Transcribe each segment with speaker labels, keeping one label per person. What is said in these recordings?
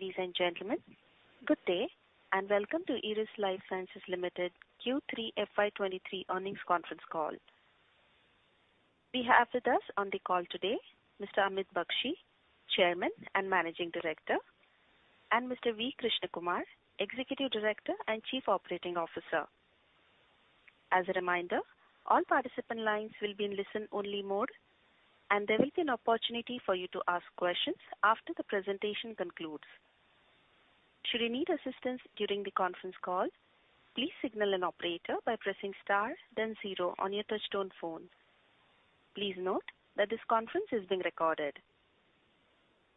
Speaker 1: Ladies and gentlemen, good day, and welcome to Eris Lifesciences Limited Q3 FY 2023 earnings conference call. We have with us on the call today Mr. Amit Bakshi, Chairman and Managing Director, and Mr. V. Krishnakumar, Executive Director and Chief Operating Officer. As a reminder, all participant lines will be in listen-only mode, and there is an opportunity for you to ask questions after the presentation concludes. Should you need assistance during the conference call, please signal an operator by pressing star zero on your touch-tone phone. Please note that this conference is being recorded.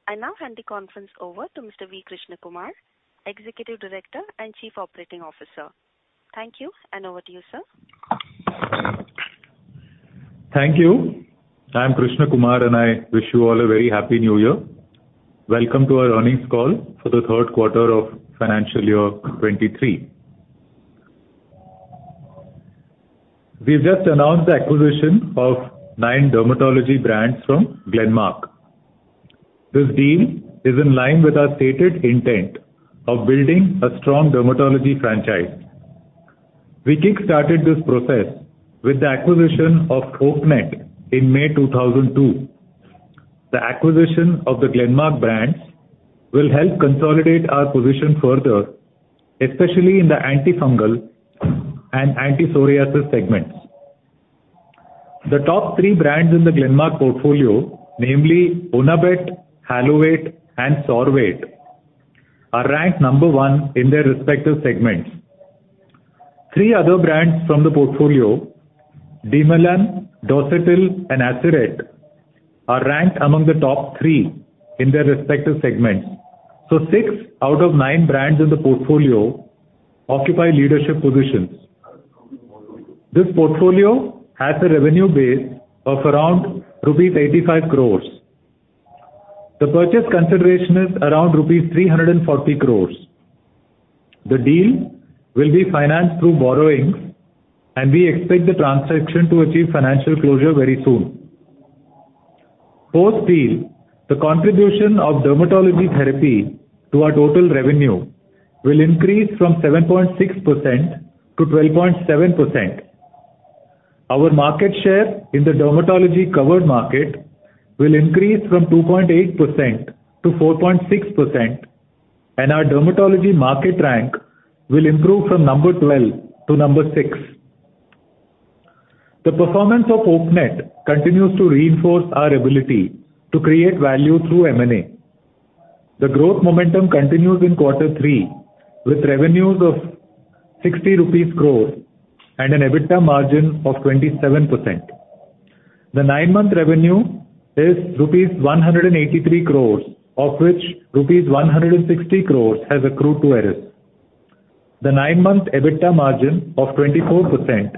Speaker 1: I now hand the conference over to Mr. V. Krishnakumar, Executive Director and Chief Operating Officer. Thank you, and over to you, sir.
Speaker 2: Thank you. I'm Krishna Kumar, and I wish you all a very happy New Year. Welcome to our earnings call for the third quarter of financial year 23. We've just announced the acquisition of 9 dermatology brands from Glenmark. This deal is in line with our stated intent of building a strong dermatology franchise. We kick-started this process with the acquisition of Oaknet in May 2002. The acquisition of the Glenmark brands will help consolidate our position further, especially in the antifungal and anti-psoriasis segments. The top three brands in the Glenmark portfolio, namely Onabet, Halovate, and Sorvate, are ranked number one in their respective segments. Three other brands from the portfolio, Demelan, Dosetil, and Aceret, are ranked among the top three in their respective segments. Six out of nine brands in the portfolio occupy leadership positions. This portfolio has a revenue base of around rupees 85 crores. The purchase consideration is around rupees 340 crores. The deal will be financed through borrowings. We expect the transaction to achieve financial closure very soon. Post-deal, the contribution of dermatology therapy to our total revenue will increase from 7.6%-12.7%. Our market share in the dermatology covered market will increase from 2.8%-4.6%. Our dermatology market rank will improve from number 12 to number six. The performance of Oaknet continues to reinforce our ability to create value through M&A. The growth momentum continues in quarter three with revenues of 60 crore rupees and an EBITDA margin of 27%. The 9-month revenue is rupees 183 crores, of which rupees 160 crores has accrued to Eris. The 9-month EBITDA margin of 24%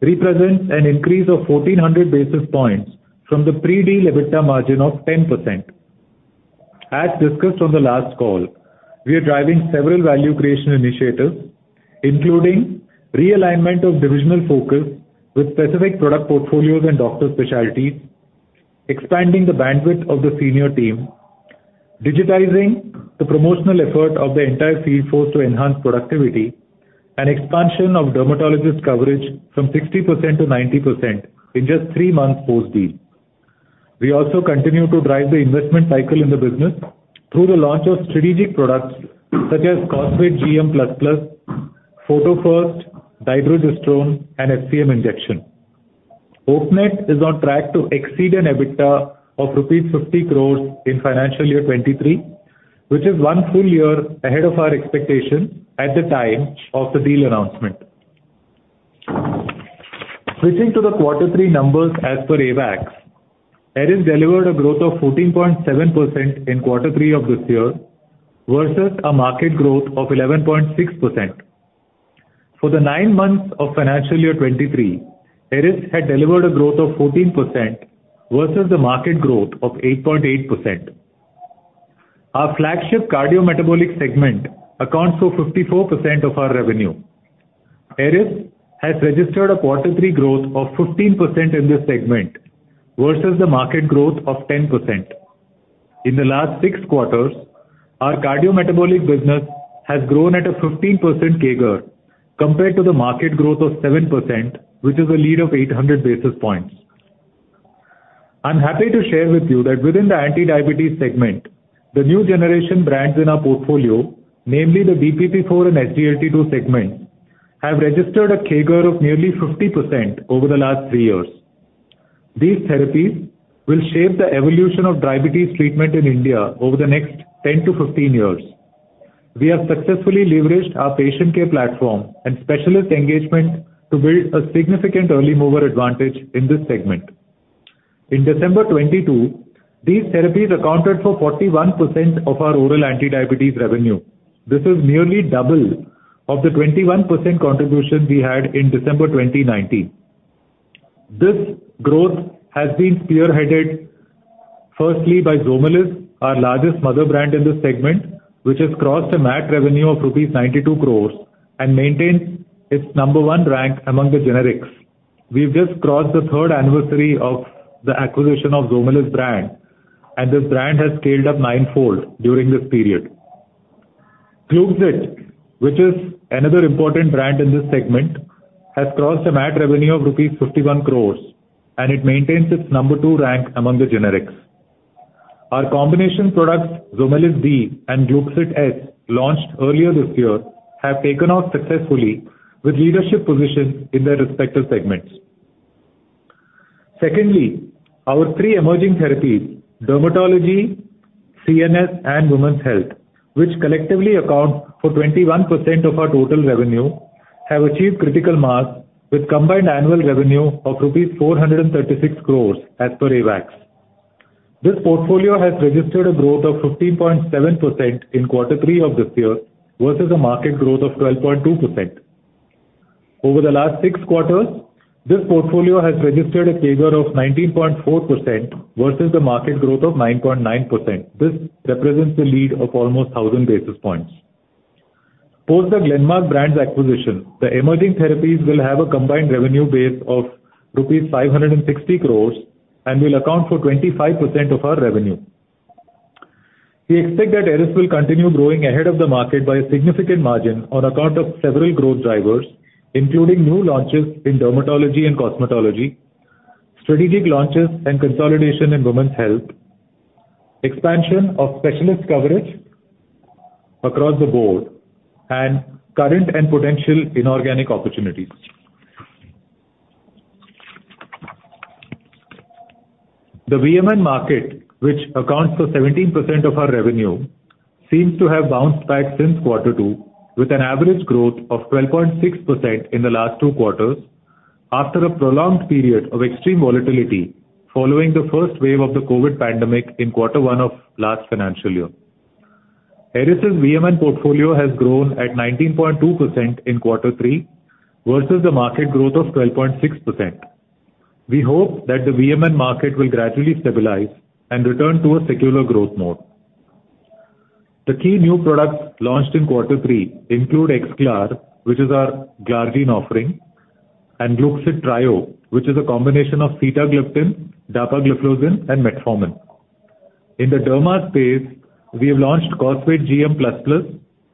Speaker 2: represents an increase of 1,400 basis points from the pre-deal EBITDA margin of 10%. As discussed on the last call, we are driving several value creation initiatives, including realignment of divisional focus with specific product portfolios and doctor specialties, expanding the bandwidth of the senior team, digitizing the promotional effort of the entire field force to enhance productivity, and expansion of dermatologist coverage from 60% to 90% in just three months post-deal. We also continue to drive the investment cycle in the business through the launch of strategic products such as Cosvate GM Plus Plus, PhotoFirst, Dydrogesterone, and FCM Injection. Oaknet is on track to exceed an EBITDA of rupees 50 crores in financial year 2023, which is one full year ahead of our expectation at the time of the deal announcement. Switching to the quarter three numbers as per AWACS. Eris delivered a growth of 14.7% in quarter three of this year versus a market growth of 11.6%. For the nine months of financial year 2023, Eris had delivered a growth of 14% versus the market growth of 8.8%. Our flagship cardiometabolic segment accounts for 54% of our revenue. Eris has registered a quarter three growth of 15% in this segment versus the market growth of 10%. In the last 6 quarters, our cardiometabolic business has grown at a 15% CAGR compared to the market growth of 7%, which is a lead of 800 basis points. I'm happy to share with you that within the anti-diabetes segment, the new generation brands in our portfolio, namely the DPP-4 and SGLT2 segments, have registered a CAGR of nearly 50% over the last three years. These therapies will shape the evolution of diabetes treatment in India over the next 10-15 years. We have successfully leveraged our patient care platform and specialist engagement to build a significant early mover advantage in this segment. In December 2022, these therapies accounted for 41% of our oral anti-diabetes revenue. This is nearly double of the 21% contribution we had in December 2019. This growth has been spearheaded firstly by Zomelis, our largest mother brand in this segment, which has crossed a MAT revenue of rupees 92 crores and maintains its number one rank among the generics. We've just crossed the third anniversary of the acquisition of Zomelis brand, and this brand has scaled up 9-fold during this period. Gluxit, which is another important brand in this segment, has crossed a MAT revenue of rupees 51 crores, and it maintains its number two rank among the generics. Our combination products, Zomelis V and Gluxit S, launched earlier this year, have taken off successfully with leadership positions in their respective segments. Secondly, our three emerging therapies, dermatology, CNS, and women's health, which collectively account for 21% of our total revenue, have achieved critical mass with combined annual revenue of rupees 436 crores as per AWACS. This portfolio has registered a growth of 15.7% in Q3 of this year versus a market growth of 12.2%. Over the last 6 quarters, this portfolio has registered a CAGR of 19.4% versus a market growth of 9.9%. This represents a lead of almost 1,000 basis points. Post the Glenmark brands acquisition, the emerging therapies will have a combined revenue base of rupees 560 crores and will account for 25% of our revenue. We expect that Eris will continue growing ahead of the market by a significant margin on account of several growth drivers, including new launches in dermatology and cosmetology, strategic launches and consolidation in women's health, expansion of specialist coverage across the board, and current and potential inorganic opportunities. The VMN market, which accounts for 17% of our revenue, seems to have bounced back since quarter 2 with an average growth of 12.6% in the last 2 quarters after a prolonged period of extreme volatility following the first wave of the COVID pandemic in quarter 1 of last financial year. Eris's VMN portfolio has grown at 19.2% in quarter 3 versus a market growth of 12.6%. We hope that the VMN market will gradually stabilize and return to a secular growth mode. The key new products launched in quarter 3 include XGLAR, which is our glargine offering, and Gluxit Trio, which is a combination of sitagliptin, dapagliflozin, and metformin. In the derma space, we have launched Cosvate GM++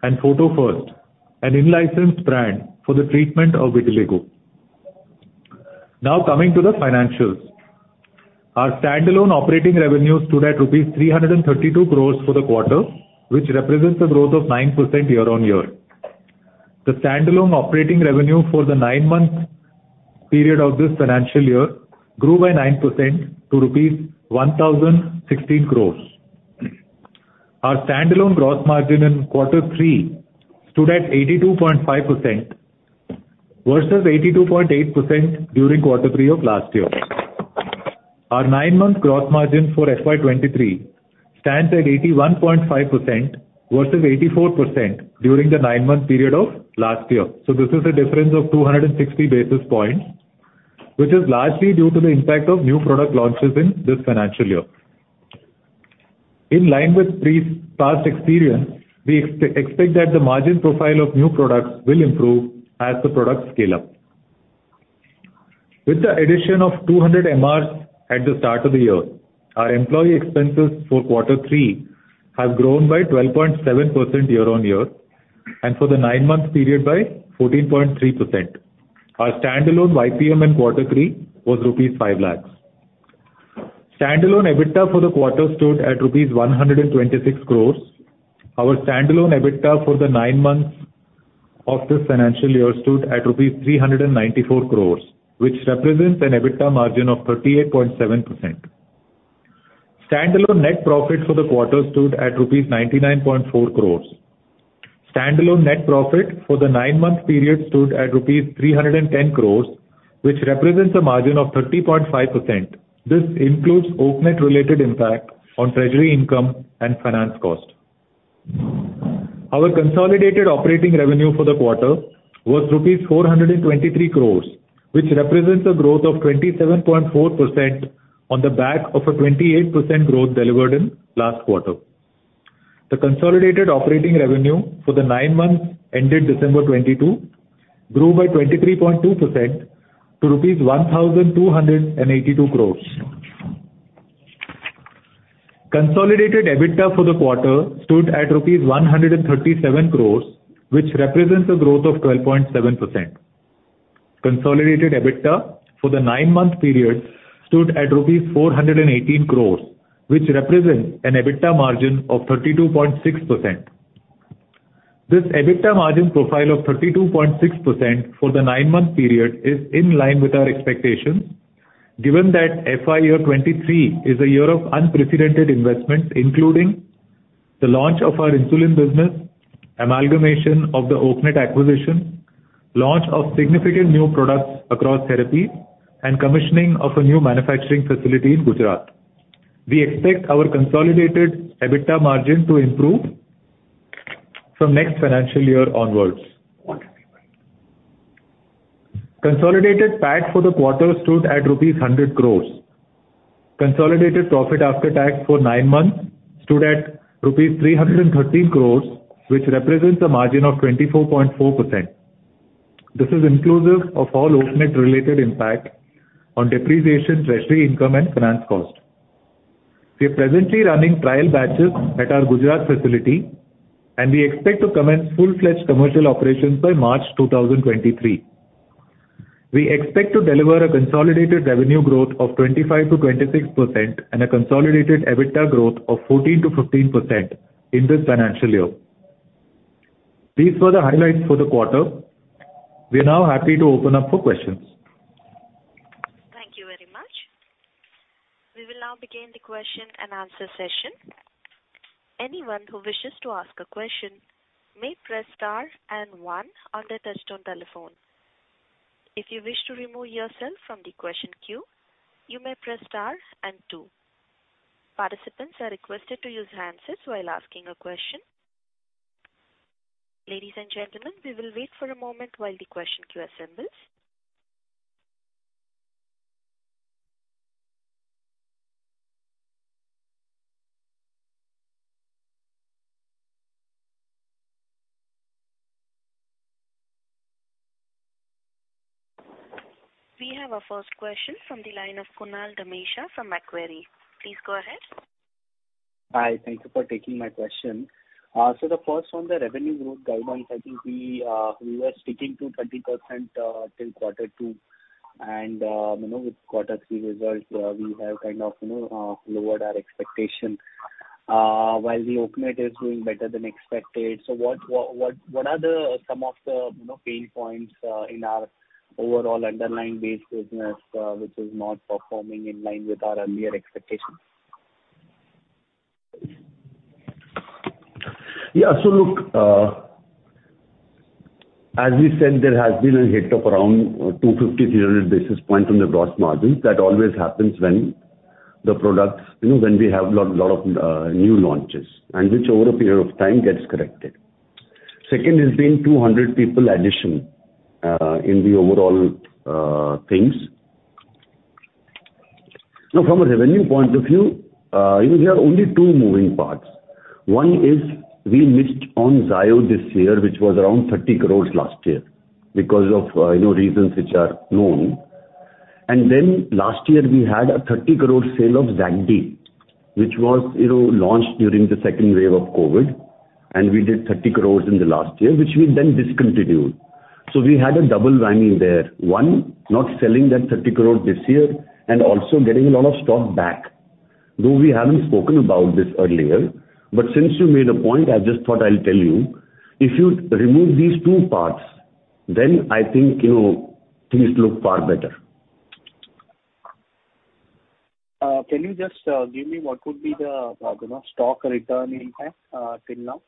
Speaker 2: and PhotoFirst, an in-licensed brand for the treatment of vitiligo. Coming to the financials. Our standalone operating revenue stood at rupees 332 crores for the quarter, which represents a growth of 9% year-on-year. The standalone operating revenue for the 9-month period of this financial year grew by 9% to rupees 1,016 crores. Our standalone gross margin in quarter 3 stood at 82.5% versus 82.8% during quarter 3 of last year. Our 9-month gross margin for FY 2023 stands at 81.5% versus 84% during the 9-month period of last year. This is a difference of 260 basis points, which is largely due to the impact of new product launches in this financial year. In line with past experience, we expect that the margin profile of new products will improve as the products scale up. With the addition of 200 MRs at the start of the year, our employee expenses for quarter three have grown by 12.7% year-on-year, and for the nine-month period by 14.3%. Our standalone YPM in quarter three was rupees 5 lakhs. Standalone EBITDA for the quarter stood at rupees 126 crores. Our standalone EBITDA for the nine months of this financial year stood at rupees 394 crores, which represents an EBITDA margin of 38.7%. Standalone net profit for the quarter stood at rupees 99.4 crores. Standalone net profit for the nine-month period stood at rupees 310 crores, which represents a margin of 30.5%. This includes Oaknet-related impact on treasury income and finance cost. Our consolidated operating revenue for the quarter was rupees 423 crores, which represents a growth of 27.4% on the back of a 28% growth delivered in last quarter. The consolidated operating revenue for the nine months ended December 2022 grew by 23.2% to INR 1,282 crores. Consolidated EBITDA for the quarter stood at rupees 137 crores, which represents a growth of 12.7%. Consolidated EBITDA for the nine-month period stood at rupees 418 crores, which represents an EBITDA margin of 32.6%. This EBITDA margin profile of 32.6% for the nine-month period is in line with our expectations, given that FY 2023 is a year of unprecedented investments, including the launch of our insulin business, amalgamation of the Oaknet acquisition, launch of significant new products across therapies, and commissioning of a new manufacturing facility in Gujarat. We expect our consolidated EBITDA margin to improve from next financial year onwards. Consolidated PAT for the quarter stood at rupees 100 crores. Consolidated profit after tax for nine months stood at rupees 313 crores, which represents a margin of 24.4%. This is inclusive of all Oaknet related impact on depreciation, treasury income and finance cost. We are presently running trial batches at our Gujarat facility, and we expect to commence full-fledged commercial operations by March 2023. We expect to deliver a consolidated revenue growth of 25%-26% and a consolidated EBITDA growth of 14%-15% in this financial year. These were the highlights for the quarter. We are now happy to open up for questions.
Speaker 1: Thank you very much. We will now begin the question and answer session. Anyone who wishes to ask a question may press star and one on their touch-tone telephone. If you wish to remove yourself from the question queue, you may press star and two. Participants are requested to use handsets while asking a question. Ladies and gentlemen, we will wait for a moment while the question queue assembles. We have our first question from the line of Kunal Dhamesha from Macquarie. Please go ahead.
Speaker 3: Hi. Thank you for taking my question. The first one, the revenue growth guidance. I think we were sticking to 30% till quarter 2 and, you know, with quarter 3 results, we have kind of, you know, lowered our expectation, while the Oaknet is doing better than expected. What are the some of the, you know, pain points in our overall underlying base business, which is not performing in line with our earlier expectations?
Speaker 4: Look, as we said, there has been a hit of around 250-300 basis points on the gross margin. That always happens when the products, you know, when we have lot of new launches and which over a period of time gets corrected. Second has been 200 people addition in the overall things. From a revenue point of view, you know, there are only two moving parts. One is we missed on Zayo this year, which was around 30 crores last year because of, you know, reasons which are known. Last year we had a 30 crore sale of Zagon, which was, you know, launched during the second wave of Covid, and we did 30 crores in the last year, which we then discontinued. We had a double whammy there. One, not selling that 30 crore this year and also getting a lot of stock back. We haven't spoken about this earlier, since you made a point, I just thought I'll tell you, if you remove these two parts, I think, you know, things look far better.
Speaker 3: Can you just give me what could be the, you know, stock return impact, till now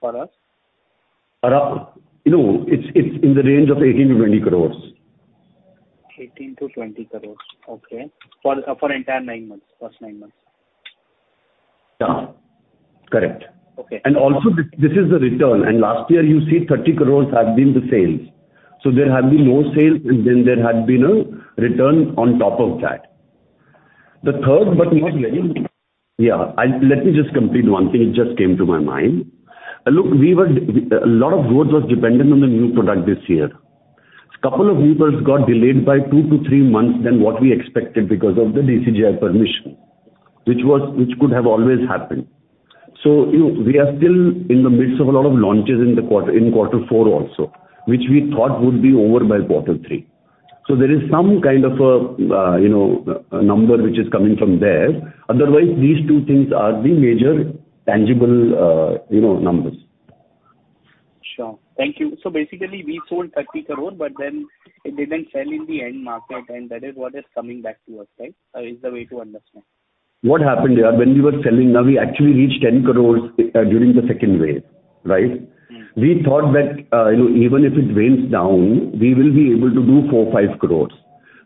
Speaker 3: for us?
Speaker 4: You know, it's in the range of 18-20 crores.
Speaker 3: 18 crores-20 crores. Okay. For entire nine months. First nine months.
Speaker 4: Yeah. Correct.
Speaker 3: Okay.
Speaker 4: Also, this is the return. Last year, you see 30 crores have been the sales. There have been no sales, and then there had been a return on top of that. The third, but not letting. Let me just complete one thing. It just came to my mind. Look, a lot of growth was dependent on the new product this year. Couple of new products got delayed by 2-3 months than what we expected because of the DCGI permission, which was, which could have always happened. We are still in the midst of a lot of launches in the quarter, in quarter 4 also, which we thought would be over by quarter 3. There is some kind of a, you know, a number which is coming from there. these 2 things are the major tangible, you know, numbers.
Speaker 3: Sure. Thank you. Basically we sold 30 crore, it didn't sell in the end market, that is what is coming back to us, right? Is the way to understand.
Speaker 4: What happened here, when we were selling, now we actually reached 10 crore, during the second wave, right?
Speaker 3: Mm-hmm.
Speaker 4: We thought that, you know, even if it wanes down, we will be able to do 4, 5 crores.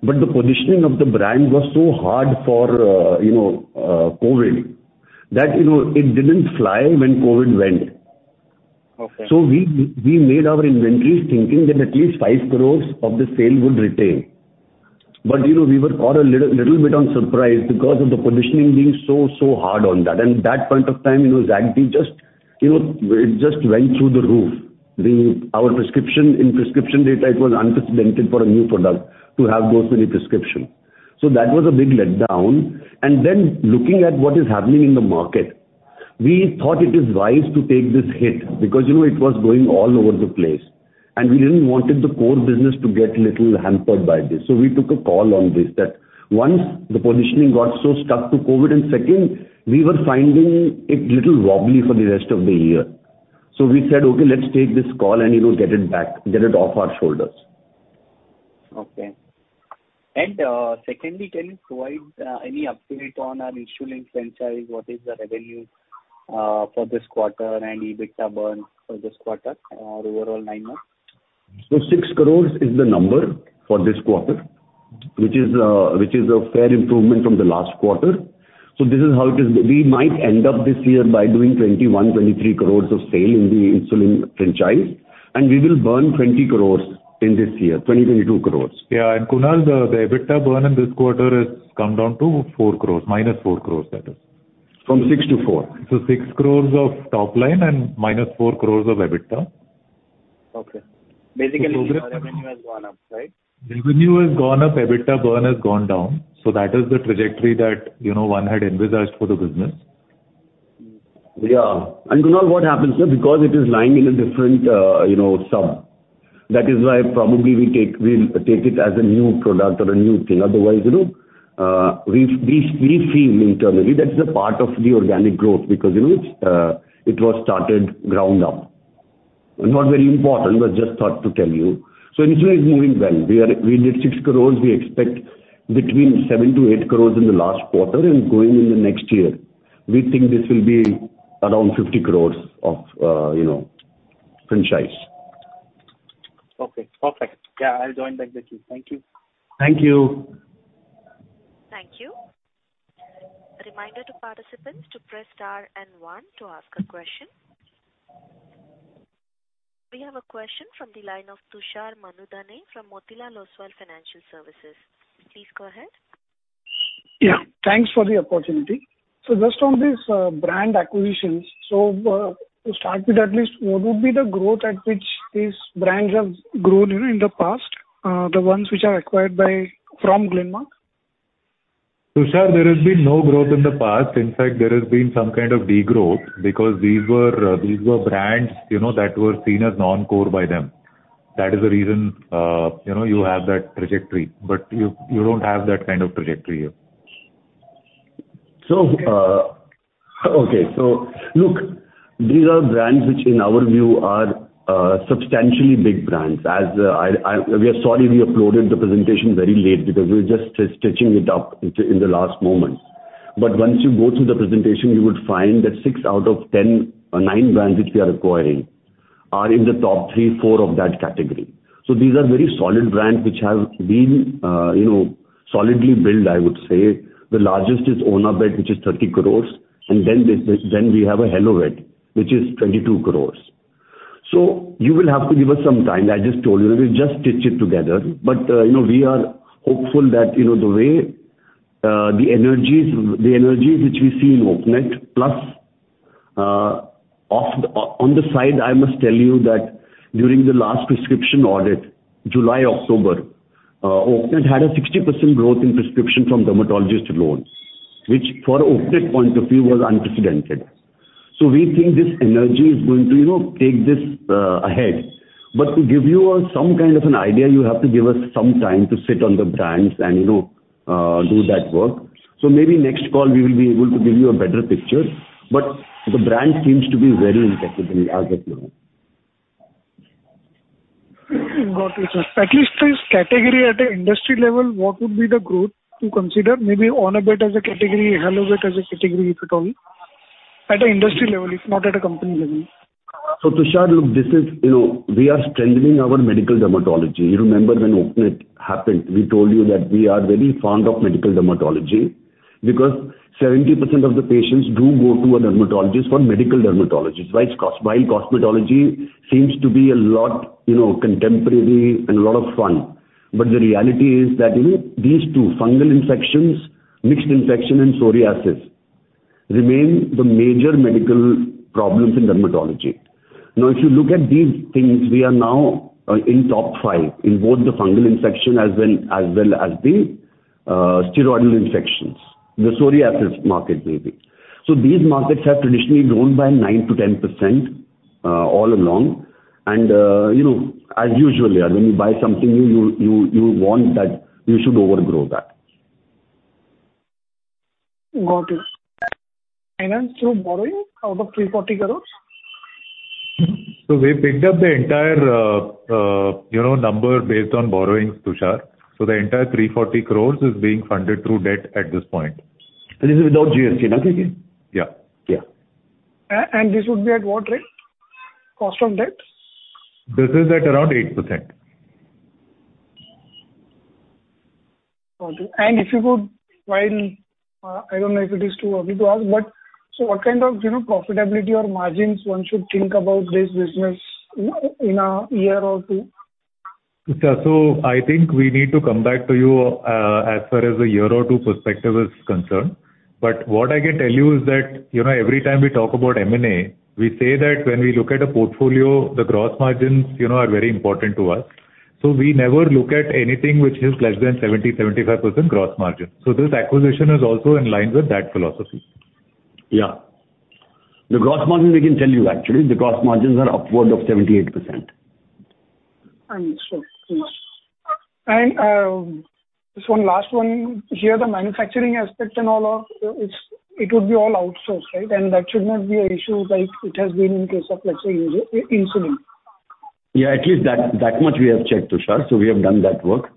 Speaker 4: The positioning of the brand was so hard for, you know, Covid that, you know, it didn't fly when Covid went.
Speaker 3: Okay.
Speaker 4: We made our inventories thinking that at least 5 crores of the sale would retain. You know, we were caught a little bit on surprise because of the positioning being so hard on that. That point of time, you know, Zagon just, you know, it just went through the roof. Our prescription in prescription data, it was unprecedented for a new product to have those many prescription. That was a big letdown. Then looking at what is happening in the market, we thought it is wise to take this hit because, you know, it was going all over the place and we didn't wanted the core business to get little hampered by this. We took a call on this that once the positioning got so stuck to Covid and second, we were finding it little wobbly for the rest of the year. We said, "Okay, let's take this call and, you know, get it back, get it off our shoulders.
Speaker 3: Okay. Secondly, can you provide any update on our Insulink franchise? What is the revenue for this quarter and EBITDA burn for this quarter or overall nine months?
Speaker 4: Six crores is the number for this quarter, which is a fair improvement from the last quarter. This is how it is. We might end up this year by doing 21-23 crores of sale in the Insulink franchise, and we will burn 20-22 crores in this year.
Speaker 2: Yeah. Kunal, the EBITDA burn in this quarter has come down to 4 crores, minus 4 crores that is.
Speaker 4: From six to four.
Speaker 2: 6 crores of top line and -4 crores of EBITDA.
Speaker 3: Okay. Basically, your revenue has gone up, right?
Speaker 2: The revenue has gone up, EBITDA burn has gone down. That is the trajectory that, you know, one had envisaged for the business.
Speaker 4: Yeah. Kunal, what happens is because it is lining a different, you know, sub. That is why probably we take, we'll take it as a new product or a new thing. Otherwise, you know, we feel internally that's the part of the organic growth because, you know, it was started ground up. It's not very important, but just thought to tell you. Insulin is moving well. We did 6 crores. We expect between 7 crores-8 crores in the last quarter and going in the next year. We think this will be around 50 crores of, you know, franchise.
Speaker 3: Okay. Perfect. Yeah, I'll join back with you. Thank you.
Speaker 4: Thank you.
Speaker 1: Thank you. A reminder to participants to press star and one to ask a question. We have a question from the line of Tushar Manudhane from Motilal Oswal Financial Services. Please go ahead.
Speaker 5: Yeah, thanks for the opportunity. Just on this, brand acquisitions. To start with at least, what would be the growth at which these brands have grown, you know, in the past, the ones which are acquired by, from Glenmark?
Speaker 2: Tushar, there has been no growth in the past. In fact, there has been some kind of degrowth because these were brands, you know, that were seen as non-core by them. That is the reason, you know, you have that trajectory, but you don't have that kind of trajectory here.
Speaker 4: Okay. Look, these are brands which in our view are substantially big brands. We are sorry we uploaded the presentation very late because we were just stitching it up in the last moment. Once you go through the presentation, you would find that six out of 10 or nine brands which we are acquiring are in the top three, four of that category. These are very solid brands which have been, you know, solidly built, I would say. The largest is Onabet, which is 30 crores, then we have a Halovate, which is 22 crores. You will have to give us some time. I just told you, we just stitched it together. you know, we are hopeful that, you know, the way the energies which we see in Oaknet, plus on the side, I must tell you that during the last prescription audit, July-October, Oaknet had a 60% growth in prescription from dermatologists alone, which for Oaknet point of view was unprecedented. we think this energy is going to, you know, take this ahead. to give you some kind of an idea, you have to give us some time to sit on the brands and, you know, do that work. maybe next call we will be able to give you a better picture, but the brand seems to be very interesting as of now.
Speaker 5: Got it, sir. At least this category at an industry level, what would be the growth to consider? Maybe Onabet as a category, HelloVit as a category, if at all, at an industry level, if not at a company level.
Speaker 4: Tushar, look, this is, you know, we are strengthening our medical dermatology. You remember when Oaknet happened, we told you that we are very fond of medical dermatology because 70% of the patients do go to a dermatologist for medical dermatology, right? While cosmetology seems to be a lot, you know, contemporary and a lot of fun. The reality is that, you know, these two fungal infections, mixed infection and psoriasis remain the major medical problems in dermatology. If you look at these things, we are now in top five in both the fungal infection as well as the steroidal infections, the psoriasis market maybe. These markets have traditionally grown by 9%-10% all along. You know, as usual, yeah, when you buy something new, you want that you should overgrow that.
Speaker 5: Got it. Finance through borrowing out of 340 crores?
Speaker 4: We picked up the entire, you know, number based on borrowings, Tushar. The entire 340 crores is being funded through debt at this point.
Speaker 2: This is without GST, okay?
Speaker 4: Yeah.
Speaker 2: Yeah.
Speaker 5: This would be at what rate, cost of debt?
Speaker 4: This is at around 8%.
Speaker 5: Okay. If you could, while, I don't know if it is too early to ask, but what kind of, you know, profitability or margins one should think about this business in a year or two?
Speaker 2: Tushar, I think we need to come back to you, as far as a year or 2 perspective is concerned. What I can tell you is that, you know, every time we talk about M&A, we say that when we look at a portfolio, the gross margins, you know, are very important to us. We never look at anything which is less than 70%-75% gross margin. This acquisition is also in line with that philosophy.
Speaker 4: Yeah. The gross margin we can tell you actually, the gross margins are upward of 78%.
Speaker 5: Understood. Just one last one. Here the manufacturing aspect and all are, it's, it would be all outsourced, right? That should not be a issue like it has been in case of, let's say, insulin.
Speaker 4: At least that much we have checked, Tushar. We have done that work.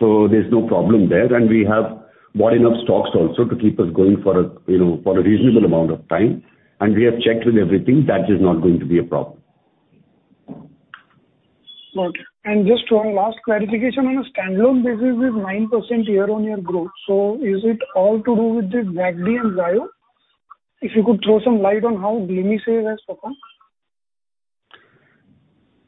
Speaker 4: There's no problem there. We have more enough stocks also to keep us going for a, you know, for a reasonable amount of time. We have checked with everything. That is not going to be a problem.
Speaker 5: Okay. Just one last clarification on a standalone basis is 9% year-on-year growth. Is it all to do with the Zyd and Zayo? If you could throw some light on how Glimisave has performed.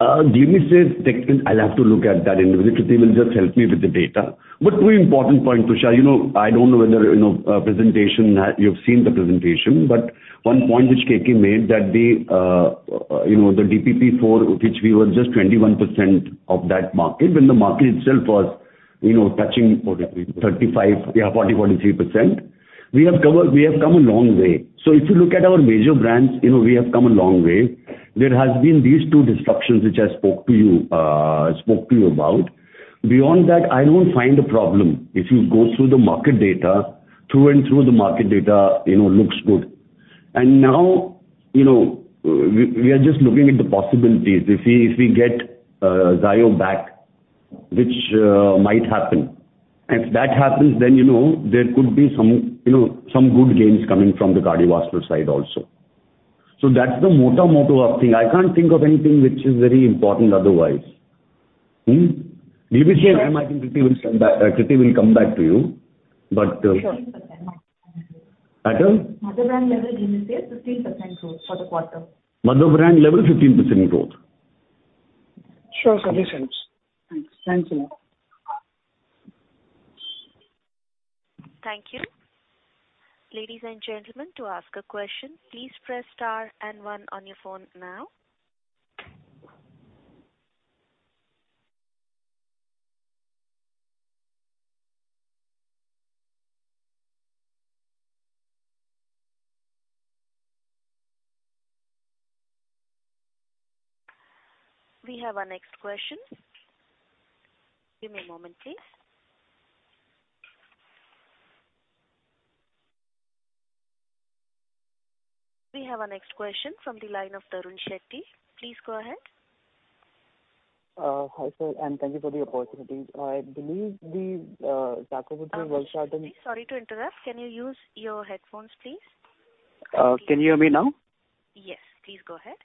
Speaker 2: Glimisave, I'll have to look at that individually. Kruti will just help me with the data. Two important points, Tushar. You know, I don't know whether, you know, presentation or not, you've seen the presentation, but one point which K.K. made that the, you know, the DPP-4, which we were just 21% of that market, when the market itself was, you know, touching 35, yeah, 40-43%. We have come a long way. If you look at our major brands, you know, we have come a long way. There has been these two disruptions which I spoke to you, spoke to you about. Beyond that, I don't find a problem. If you go through the market data, through and through the market data, you know, looks good. Now, you know, we are just looking at the possibilities. If we get Zayo back, which might happen, if that happens, you know, there could be some good gains coming from the cardiovascular side also. That's the motto of thing. I can't think of anything which is very important otherwise. Glimisave, I think Kruti will come back to you.
Speaker 1: Sure.
Speaker 4: Pardon?
Speaker 1: Mother brand level Glimisave is 15% growth for the quarter.
Speaker 4: Mother brand level, 15% growth.
Speaker 5: Sure. Makes sense. Thanks. Thanks a lot.
Speaker 1: Thank you. Ladies and gentlemen, to ask a question, please press star and one on your phone now. We have our next question. Give me a moment, please. We have our next question from the line of Tarun Shetty. Please go ahead.
Speaker 6: Hi, sir. Thank you for the opportunity. I believe the sacubitril/valsartan
Speaker 1: Sorry to interrupt. Can you use your headphones, please?
Speaker 6: Can you hear me now?
Speaker 1: Yes, please go ahead.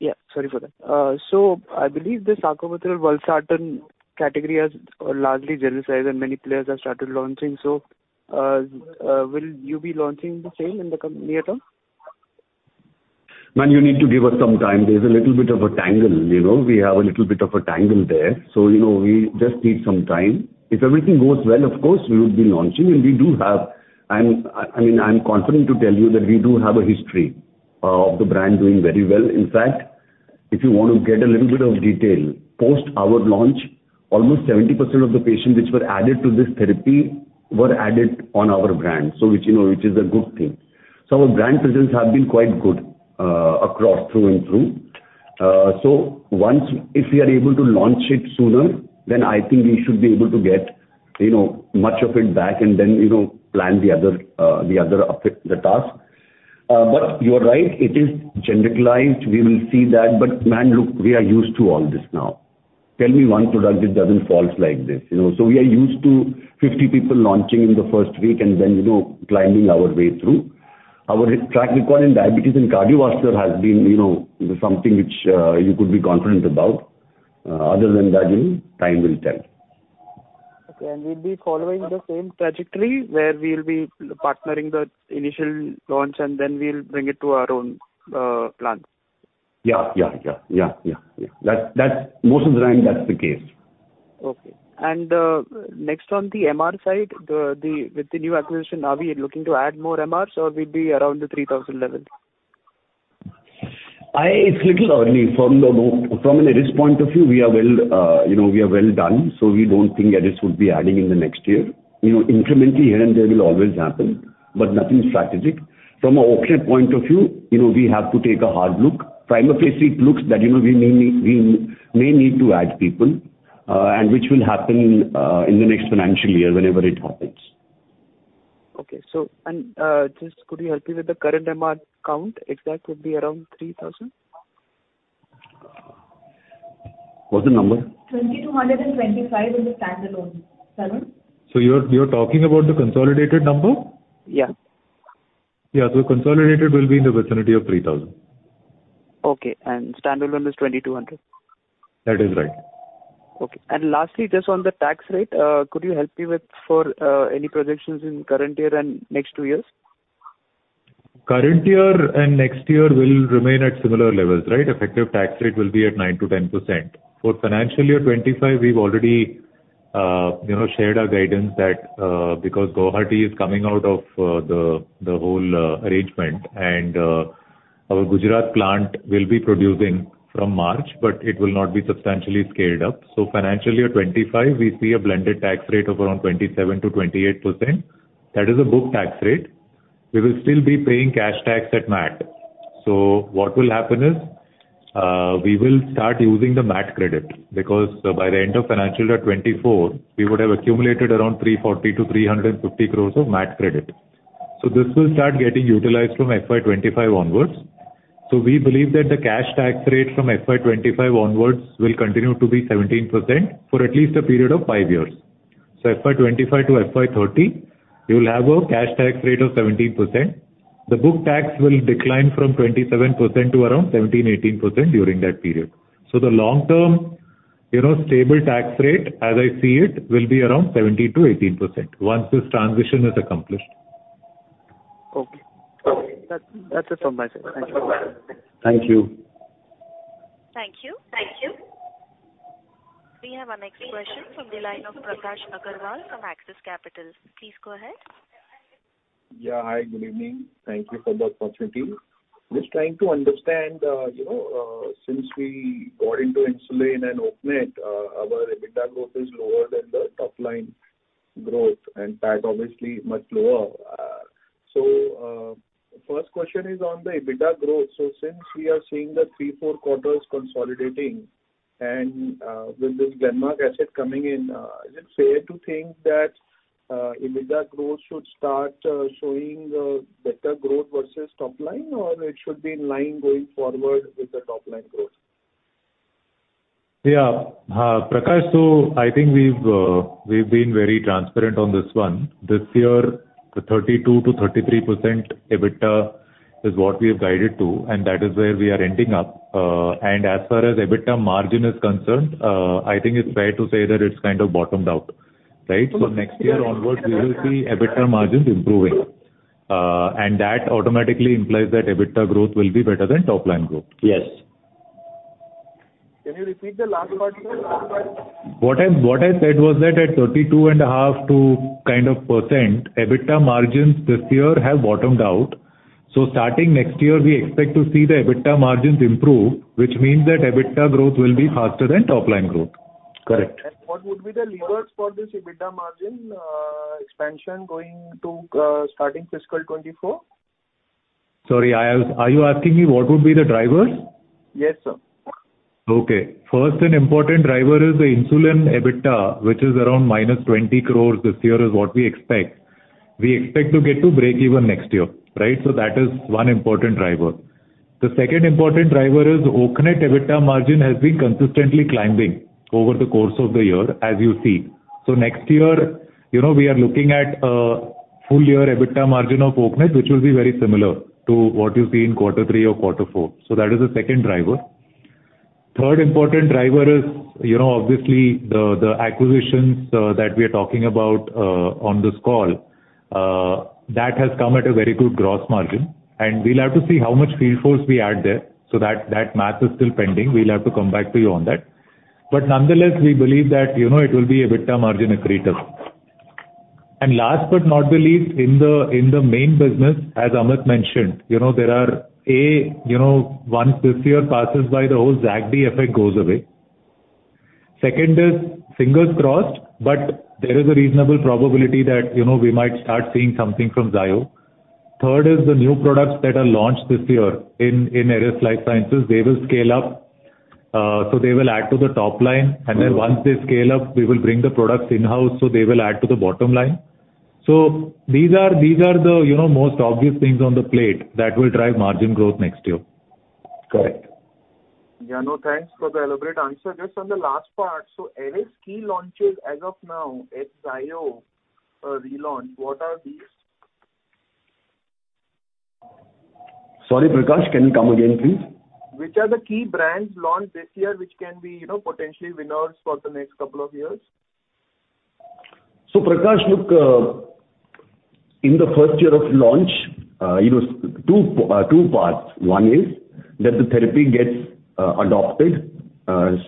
Speaker 6: Yeah, sorry for that. I believe the sacubitril/valsartan category has largely genericized, and many players have started launching. Will you be launching the same in the near term?
Speaker 4: Man, you need to give us some time. There's a little bit of a tangle, you know? We have a little bit of a tangle there. You know, we just need some time. If everything goes well, of course, we would be launching. We do have, I mean, I'm confident to tell you that we do have a history of the brand doing very well. In fact, if you want to get a little bit of detail, post our launch, almost 70% of the patients which were added to this therapy were added on our brand. Which, you know, which is a good thing. Our brand presence have been quite good, across, through and through. Once, if we are able to launch it sooner, then I think we should be able to get, you know, much of it back and then, you know, plan the other, the other of the task. You're right, it is genericized. We will see that. Man, look, we are used to all this now. Tell me one product that doesn't falls like this, you know? We are used to 50 people launching in the first week and then, you know, climbing our way through. Our track record in diabetes and cardiovascular has been, you know, something which, you could be confident about. Other than that, you know, time will tell.
Speaker 6: Okay. We'll be following the same trajectory where we'll be partnering the initial launch and then we'll bring it to our own plant.
Speaker 4: Yeah. That's most of the time that's the case.
Speaker 6: Okay. Next on the MR side, with the new acquisition, are we looking to add more MRs or we'll be around the 3,000 level?
Speaker 4: It's a little early. From an Eris point of view, we are well, you know, we are well done, so we don't think Addis would be adding in the next year. You know, incrementally here and there will always happen, but nothing strategic. From an Oaknet point of view, you know, we have to take a hard look. Prima facie, it looks that, you know, we may need to add people, and which will happen in the next financial year whenever it happens.
Speaker 6: Just could you help me with the current MR count? Exact would be around 3,000.
Speaker 4: What's the number?
Speaker 1: 2,225 in the standalone. 7?
Speaker 4: You're talking about the consolidated number?
Speaker 6: Yeah.
Speaker 4: Yeah. consolidated will be in the vicinity of 3,000.
Speaker 6: Okay. Standalone is 2,200.
Speaker 4: That is right.
Speaker 6: Okay. Lastly, just on the tax rate, could you help me with for any projections in current year and next two years?
Speaker 4: Current year next year will remain at similar levels, right? Effective tax rate will be at 9%-10%. For financial year 2025, we've already, you know, shared our guidance that because Guwahati is coming out of the whole arrangement and our Gujarat plant will be producing from March, it will not be substantially scaled up. Financial year 2025, we see a blended tax rate of around 27%-28%. That is a book tax rate. We will still be paying cash tax at MAT. What will happen is we will start using the MAT credit because by the end of financial year 2024, we would have accumulated around 340-350 crores of MAT credit. This will start getting utilized from FY 2025 onwards. We believe that the cash tax rate from FY 2025 onwards will continue to be 17% for at least a period of five years.
Speaker 2: FY 2025 to FY 2030, you will have a cash tax rate of 17%. The book tax will decline from 27% to around 17%-18% during that period. The long term, you know, stable tax rate, as I see it, will be around 17%-18% once this transition is accomplished.
Speaker 6: Okay. That's it from my side. Thank you.
Speaker 2: Thank you.
Speaker 1: Thank you. Thank you. We have our next question from the line of Prakash Agarwal from Axis Capital. Please go ahead.
Speaker 7: Hi. Good evening. Thank you for the opportunity. Just trying to understand, you know, since we got into insulin and Oaknet, our EBITDA growth is lower than the top line growth and PAT obviously much lower. First question is on the EBITDA growth. Since we are seeing the 3-4 quarters consolidating and with this Denmark asset coming in, is it fair to think that EBITDA growth should start showing better growth versus top line or it should be in line going forward with the top line growth?
Speaker 2: Yeah. Prakash, I think we've been very transparent on this one. This year, the 32%-33% EBITDA is what we have guided to, and that is where we are ending up. As far as EBITDA margin is concerned, I think it's fair to say that it's kind of bottomed out. Right? Next year onwards we will see EBITDA margins improving, and that automatically implies that EBITDA growth will be better than top line growth.
Speaker 7: Yes. Can you repeat the last part again, last part?
Speaker 2: What I said was that at 32.5 to kind of %, EBITDA margins this year have bottomed out. Starting next year we expect to see the EBITDA margins improve, which means that EBITDA growth will be faster than top line growth.
Speaker 7: Correct. What would be the levers for this EBITDA margin expansion going to, starting fiscal 2024?
Speaker 2: Sorry, are you asking me what would be the drivers?
Speaker 7: Yes, sir.
Speaker 2: Okay. First, an important driver is the insulin EBITDA, which is around minus 20 crores this year is what we expect. We expect to get to breakeven next year, right? That is one important driver. The second important driver is Oaknet EBITDA margin has been consistently climbing over the course of the year, as you see. Next year, you know, we are looking at a full year EBITDA margin of Oaknet, which will be very similar to what you see in quarter three or quarter four. That is the second driver. Third important driver is, you know, obviously the acquisitions that we are talking about on this call that has come at a very good gross margin, and we'll have to see how much field force we add there. That math is still pending. We'll have to come back to you on that. Nonetheless, we believe that, you know, it will be EBITDA margin accretive. Last but not the least in the main business, as Amit mentioned, you know, there are A, you know, once this year passes by, the whole Zagon effect goes away. Second is, fingers crossed, but there is a reasonable probability that, you know, we might start seeing something from Zayo. Third is the new products that are launched this year in Eris Lifesciences. They will scale up, they will add to the top line. Once they scale up, we will bring the products in-house, they will add to the bottom line. These are the, you know, most obvious things on the plate that will drive margin growth next year.
Speaker 7: Correct. Yeah, no, thanks for the elaborate answer. Just on the last part. Eris key launches as of now, Zayo, relaunch, what are these?
Speaker 2: Sorry, Prakash, can you come again, please?
Speaker 7: Which are the key brands launched this year, which can be, you know, potentially winners for the next couple of years?
Speaker 2: Prakash, look, in the 1st year of launch, you know, two parts. One is that the therapy gets adopted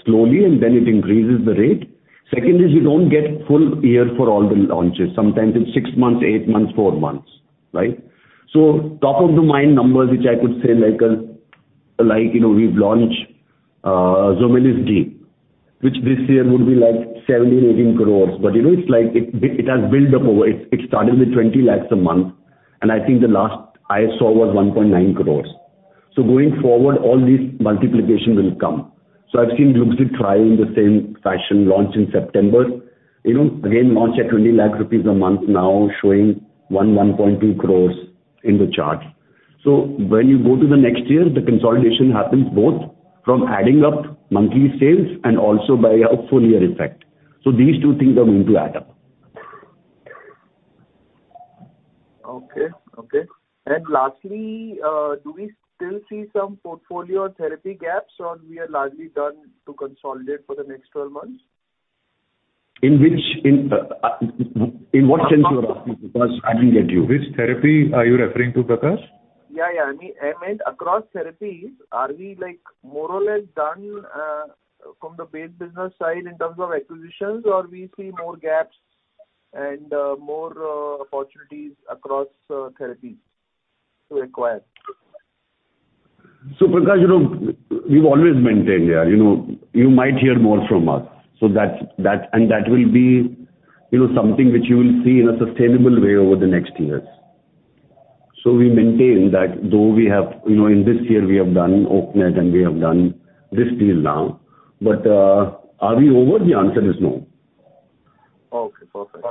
Speaker 2: slowly and then it increases the rate. 2nd is you don't get full year for all the launches. Sometimes it's six months, eight months, four months, right? Top of the mind numbers, which I could say like, you know, we've launched Zomelis V, which this year would be like 70-80 crores. You know, it's like it has built up over. It started with 20 lakhs a month, and I think the last I saw was 1.9 crores. Going forward, all these multiplication will come. I've seen Gluxit Trio in the same fashion, launch in September. You know, again, launched at 20 lakh rupees a month, now showing 1 crore-1.2 crores in the chart. When you go to the next year, the consolidation happens both from adding up monthly sales and also by a full year effect. These two things are going to add up.
Speaker 7: Okay. Okay. Lastly, do we still see some portfolio or therapy gaps, or we are largely done to consolidate for the next 12 months?
Speaker 2: In which, in what sense you are asking, Prakash? I didn't get you.
Speaker 4: Which therapy are you referring to, Prakash?
Speaker 7: Yeah, yeah. I mean, I meant across therapies, are we like more or less done, from the base business side in terms of acquisitions or we see more gaps and, more opportunities across, therapies to acquire?
Speaker 2: Prakash, you know, we've always maintained that, you know, you might hear more from us. That's, and that will be, you know, something which you will see in a sustainable way over the next years. We maintain that though we have, you know, in this year we have done Oaknet and we have done this deal now. Are we over? The answer is no.
Speaker 7: Okay, perfect.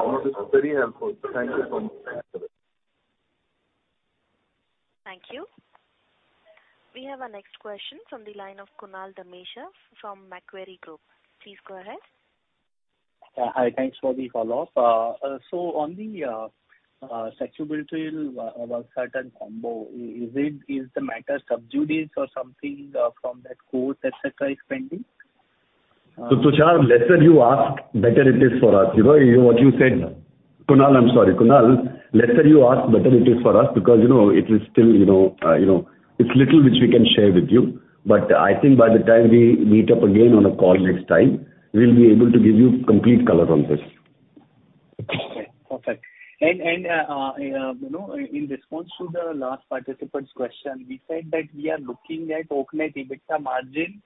Speaker 7: Very helpful. Thank you so much.
Speaker 1: Thank you. We have our next question from the line of Kunal Dhamesha from Macquarie Group. Please go ahead.
Speaker 3: Hi. Thanks for the follow-up. so on the sacubitril/valsartan combo, is it, is the matter subjudice or something, from that court, et cetera, is pending?
Speaker 2: Tushar, lesser you ask, better it is for us. Kunal, I'm sorry. lesser you ask, better it is for us because, you know, it is still, it's little which we can share with you. I think by the time we meet up again on a call next time, we'll be able to give you complete color on this.
Speaker 3: Okay, perfect. You know, in response to the last participant's question, we said that we are looking at Oaknet EBITDA margin,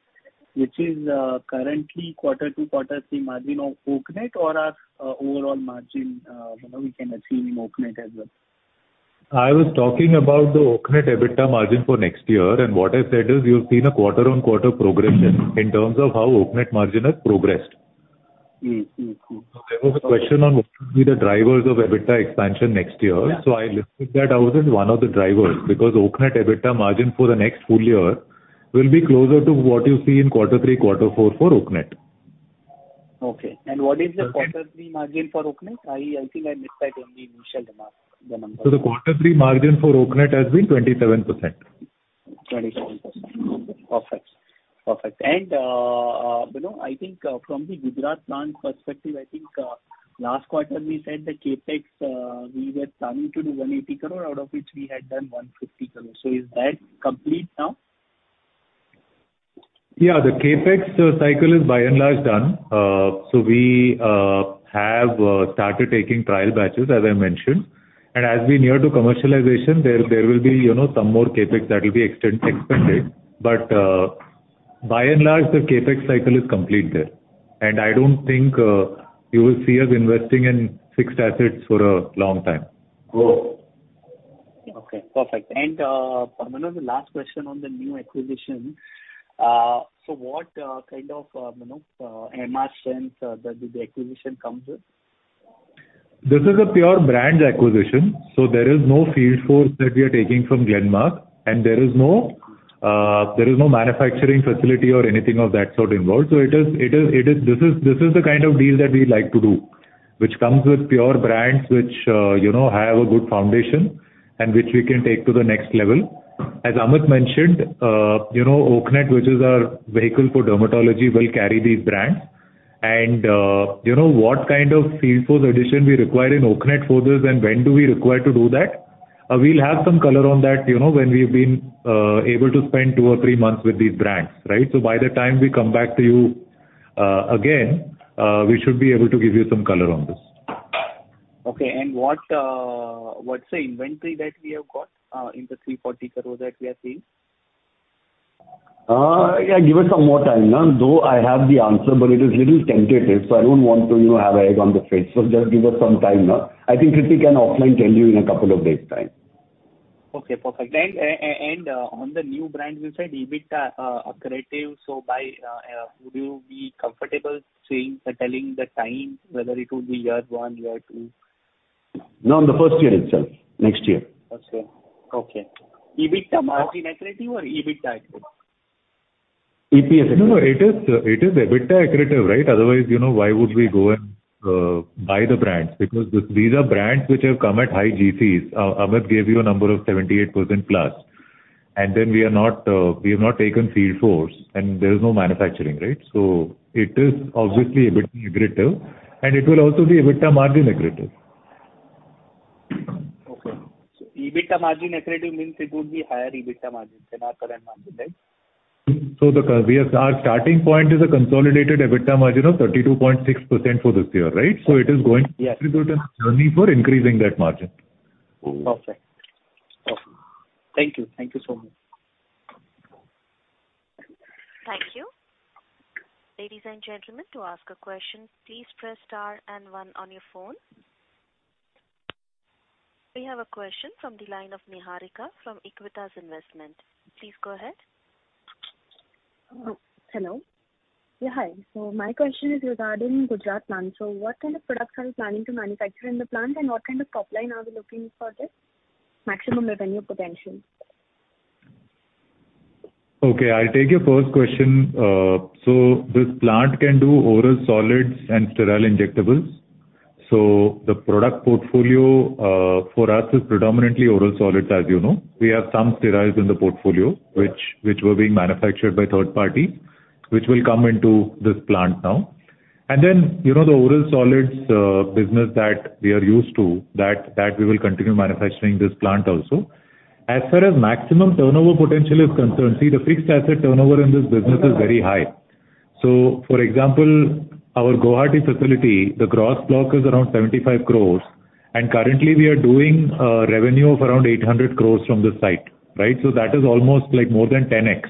Speaker 3: which is currently quarter-to-quarter see margin of Oaknet or our overall margin, you know, we can achieve in Oaknet as well.
Speaker 2: I was talking about the Oaknet EBITDA margin for next year, and what I said is you've seen a quarter-on-quarter progression in terms of how Oaknet margin has progressed.
Speaker 3: Mm-hmm.
Speaker 2: There was a question on what would be the drivers of EBITDA expansion next year.
Speaker 3: Yeah.
Speaker 2: I listed that out as one of the drivers, because Oaknet EBITDA margin for the next full year will be closer to what you see in quarter three, quarter four for Oaknet.
Speaker 3: Okay. What is the quarter three margin for Oaknet? I think I missed that when we initially announced the numbers.
Speaker 2: The quarter three margin for Oaknet has been 27%.
Speaker 3: 27%. Okay. Perfect. Perfect. You know, I think, from the Gujarat plant perspective, I think, last quarter we said the CapEx, we were planning to do 180 crore, out of which we had done 150 crore. Is that complete now?
Speaker 2: The CapEx cycle is by and large done. We have started taking trial batches as I mentioned. As we near to commercialization, there will be, you know, some more CapEx that will be expended. By and large, the CapEx cycle is complete there. I don't think you will see us investing in fixed assets for a long time.
Speaker 3: Oh, okay. Perfect. You know, the last question on the new acquisition, so what kind of, you know, MR sense the acquisition comes with?
Speaker 2: This is a pure brands acquisition, so there is no field force that we are taking from Glenmark, and there is no, there is no manufacturing facility or anything of that sort involved. This is the kind of deal that we like to do, which comes with pure brands, which, you know, have a good foundation and which we can take to the next level. As Amit mentioned, you know, Oaknet, which is our vehicle for dermatology, will carry these brands. What kind of field force addition we require in Oaknet for this and when do we require to do that, we'll have some color on that, you know, when we've been able to spend two or three months with these brands, right? By the time we come back to you, again, we should be able to give you some color on this.
Speaker 3: Okay. What, what's the inventory that we have got, in the 340 crore that we are seeing?
Speaker 2: Yeah, give us some more time, no. Though I have the answer, but it is little tentative, so I don't want to, you know, have egg on the face. Just give us some time, no. I think Kruti can offline tell you in a couple of days' time.
Speaker 3: Okay, perfect. On the new brand you said EBITDA accretive, so by, would you be comfortable saying or telling the time whether it will be year one, year two?
Speaker 2: No, in the first year itself. Next year.
Speaker 3: Okay. Okay. EBITDA margin accretive or EBITDA accretive?
Speaker 2: EPS accretive. No, it is EBITDA accretive, right? Otherwise, you know, why would we go and buy the brands? Because these are brands which have come at high GCs. Amit gave you a number of 78% plus. We are not, we have not taken field force and there is no manufacturing, right? It is obviously EBITDA accretive, and it will also be EBITDA margin accretive.
Speaker 3: Okay. EBITDA margin accretive means it would be higher EBITDA margin than our current margin, right?
Speaker 2: Our starting point is a consolidated EBITDA margin of 32.6% for this year, right? It is going to contribute in our journey for increasing that margin.
Speaker 3: Perfect. Perfect. Thank you. Thank you so much.
Speaker 1: Thank you. Ladies and gentlemen, to ask a question, please press star and one on your phone. We have a question from the line of Niharika from Equitas Investment. Please go ahead.
Speaker 8: Hello. Yeah, hi. My question is regarding Gujarat plant. What kind of products are you planning to manufacture in the plant, and what kind of top line are we looking for this maximum revenue potential?
Speaker 2: Okay, I'll take your first question. This plant can do oral solids and sterile injectables. The product portfolio for us is predominantly oral solids, as you know. We have some sterile in the portfolio, which were being manufactured by third party, which will come into this plant now. You know, the oral solids business that we are used to, that we will continue manufacturing this plant also. As far as maximum turnover potential is concerned, see, the fixed asset turnover in this business is very high. For example, our Guwahati facility, the gross block is around 75 crores, and currently we are doing revenue of around 800 crores from this site, right? That is almost like more than 10x.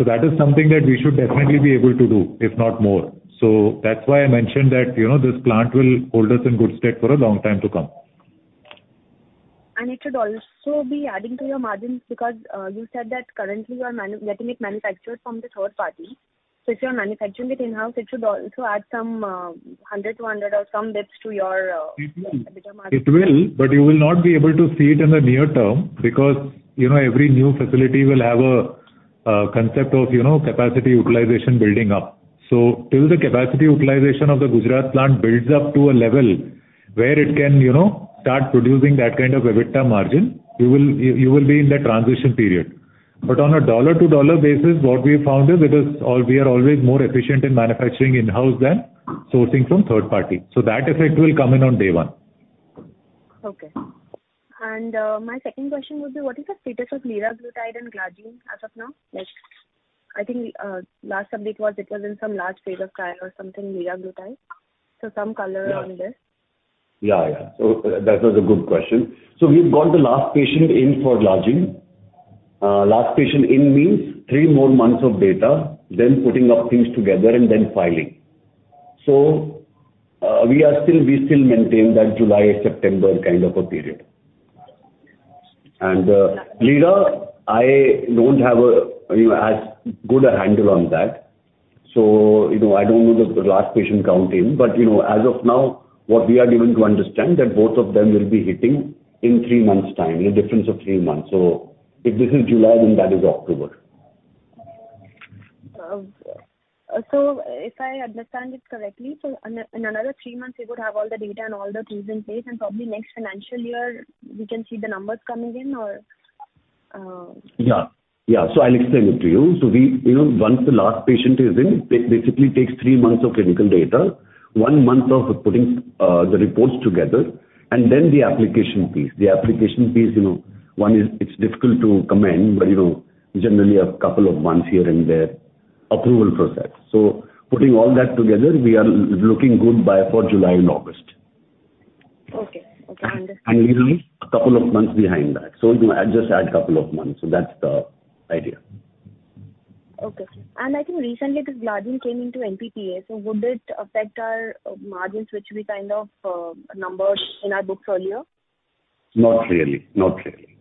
Speaker 2: That is something that we should definitely be able to do, if not more. That's why I mentioned that, you know, this plant will hold us in good state for a long time to come.
Speaker 8: It should also be adding to your margins because, you said that currently you are getting it manufactured from the third party. If you're manufacturing it in-house, it should also add some hundred or some bits to your EBITDA margin.
Speaker 2: It will, but you will not be able to see it in the near term because, you know, every new facility will have a concept of, you know, capacity utilization building up. Till the capacity utilization of the Gujarat plant builds up to a level where it can, you know, start producing that kind of EBITDA margin, you will be in the transition period. On a dollar to dollar basis, what we found is it is we are always more efficient in manufacturing in-house than sourcing from third party. That effect will come in on day one.
Speaker 8: Okay. My second question would be, what is the status of liraglutide and glargine as of now? Like, I think, last update was it was in some large phase of trial or something, liraglutide. Some color around this.
Speaker 2: Yeah. That was a good question. We've got the last patient in for glargine. Last patient in means three more months of data, then putting up things together and then filing. We still maintain that July-September kind of a period. Liraglutide, I don't have a, you know, as good a handle on that. You know, I don't know the last patient count in. You know, as of now, what we are given to understand that both of them will be hitting in three months' time, in a difference of three months. If this is July, then that is October.
Speaker 8: If I understand it correctly, so in another three months you would have all the data and all the tools in place, and probably next financial year we can see the numbers coming in or?
Speaker 2: Yeah. Yeah. I'll explain it to you. You know, once the last patient is in, it basically takes three months of clinical data, one month of putting the reports together. The application piece, you know, one, is it's difficult to comment, but, you know, generally a couple of months here and there approval process. Putting all that together, we are looking good by for July and August.
Speaker 8: Okay. Okay. Understood.
Speaker 2: Lira, a couple of months behind that. You know, I just add couple of months. That's the idea.
Speaker 8: Okay. I think recently this glargine came into NPPA, would it affect our margins which we kind of numbered in our books earlier?
Speaker 2: Not really. Not really.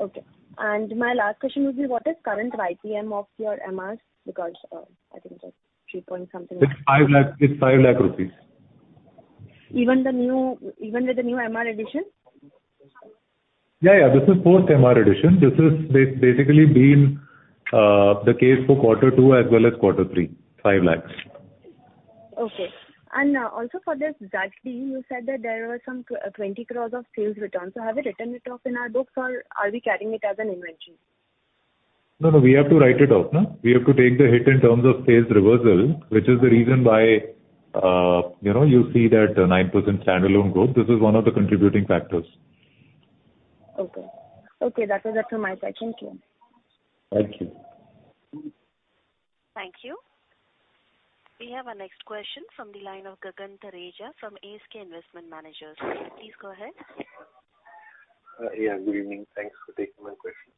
Speaker 8: Okay. My last question would be, what is current YTM of your MRs? Because, I think it was three point something.
Speaker 2: It's 5 lakh, it's 5 lakh rupees.
Speaker 8: Even the new, even with the new MR addition?
Speaker 2: Yeah, yeah. This is post MR addition. This has basically been the case for quarter two as well as quarter three, 5 lakhs.
Speaker 8: Okay. Also for this glargine, you said that there was some 20 crores of sales returns. Have we written it off in our books, or are we carrying it as an inventory?
Speaker 2: No, no. We have to write it off, no? We have to take the hit in terms of sales reversal, which is the reason why, you know, you see that 9% standalone growth. This is one of the contributing factors.
Speaker 8: Okay. Okay. That was it from my side. Thank you.
Speaker 2: Thank you.
Speaker 1: Thank you. We have our next question from the line of Gagan Thareja from ASK Investment Managers. Please go ahead.
Speaker 9: Yeah, good evening. Thanks for taking my question.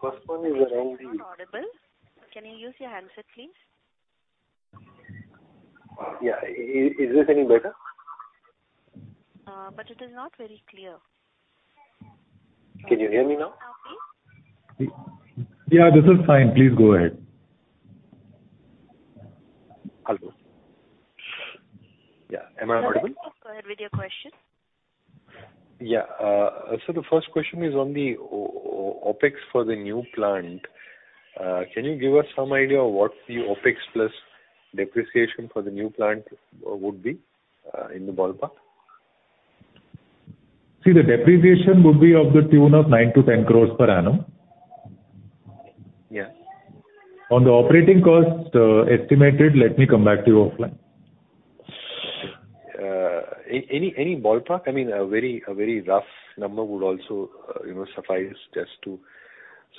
Speaker 9: first one is around
Speaker 1: You're not audible. Can you use your handset, please?
Speaker 9: Yeah. Is it any better?
Speaker 1: It is not very clear.
Speaker 9: Can you hear me now?
Speaker 1: Now please.
Speaker 2: Yeah, this is fine. Please go ahead.
Speaker 9: Hello? Yeah. Am I audible?
Speaker 1: Go ahead with your question.
Speaker 9: Yeah. The first question is on the CapEx for the new plant. Can you give us some idea of what the CapEx plus depreciation for the new plant would be in the ballpark?
Speaker 2: See, the depreciation would be of the tune of 9-10 crores per annum.
Speaker 9: Yeah.
Speaker 2: On the operating cost, estimated, let me come back to you offline.
Speaker 9: Any ballpark? I mean, a very rough number would also, you know, suffice just to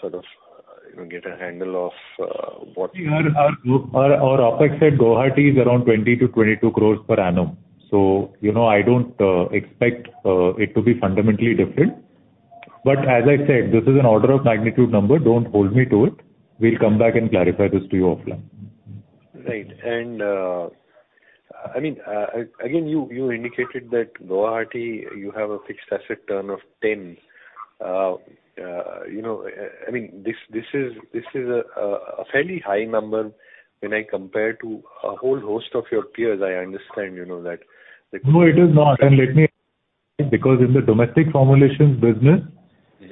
Speaker 9: sort of, you know, get a handle of?
Speaker 2: See our OpEx at Guwahati is around 20-22 crores per annum. You know, I don't expect it to be fundamentally different. As I said, this is an order of magnitude number. Don't hold me to it. We'll come back and clarify this to you offline.
Speaker 9: Right. I mean, again, you indicated that Guwahati, you have a fixed asset turn of 10. You know, I mean, this is a fairly high number when I compare to a whole host of your peers. I understand, you know.
Speaker 2: No, it is not.
Speaker 9: Mm-hmm.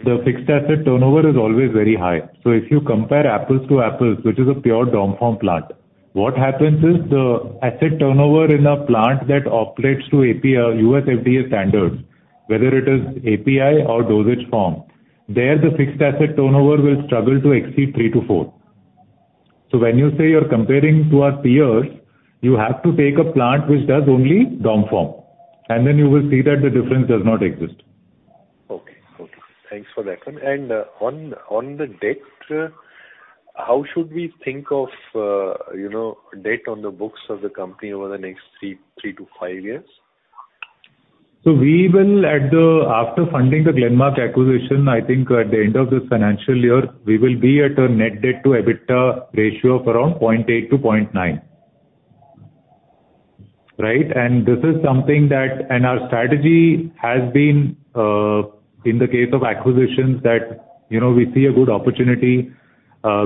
Speaker 2: The fixed asset turnover is always very high. If you compare apples to apples, which is a pure domestic formulation plant, what happens is the asset turnover in a plant that operates to API, USFDA standards, whether it is API or dosage form, there the fixed asset turnover will struggle to exceed 3-4. When you say you're comparing to our peers, you have to take a plant which does only domestic formulation, and then you will see that the difference does not exist.
Speaker 9: Okay. Okay. Thanks for that one. On the debt, how should we think of, you know, debt on the books of the company over the next 3-5 years?
Speaker 2: After funding the Glenmark acquisition, I think at the end of this financial year, we will be at a net debt to EBITDA ratio of around 0.8-0.9.
Speaker 4: Right. This is something that... Our strategy has been in the case of acquisitions that, you know, we see a good opportunity,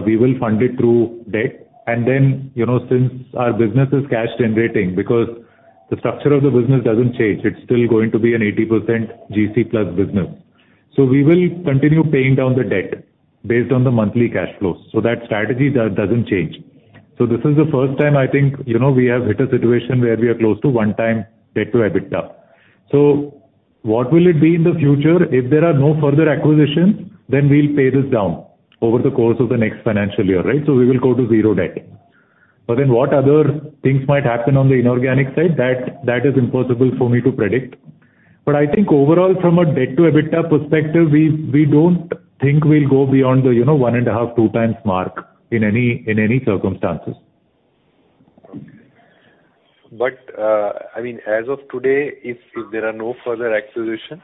Speaker 4: we will fund it through debt. You know, since our business is cash generating because the structure of the business doesn't change, it's still going to be an 80% GC plus business. We will continue paying down the debt based on the monthly cash flows. That strategy doesn't change. This is the first time I think, you know, we have hit a situation where we are close to one time debt to EBITDA. What will it be in the future? If there are no further acquisitions, then we'll pay this down over the course of the next financial year, right? We will go to zero debt. What other things might happen on the inorganic side, that is impossible for me to predict. I think overall from a debt to EBITDA perspective, we don't think we'll go beyond the, you know, 1.5x-2x mark in any, in any circumstances.
Speaker 9: I mean, as of today, if there are no further acquisitions,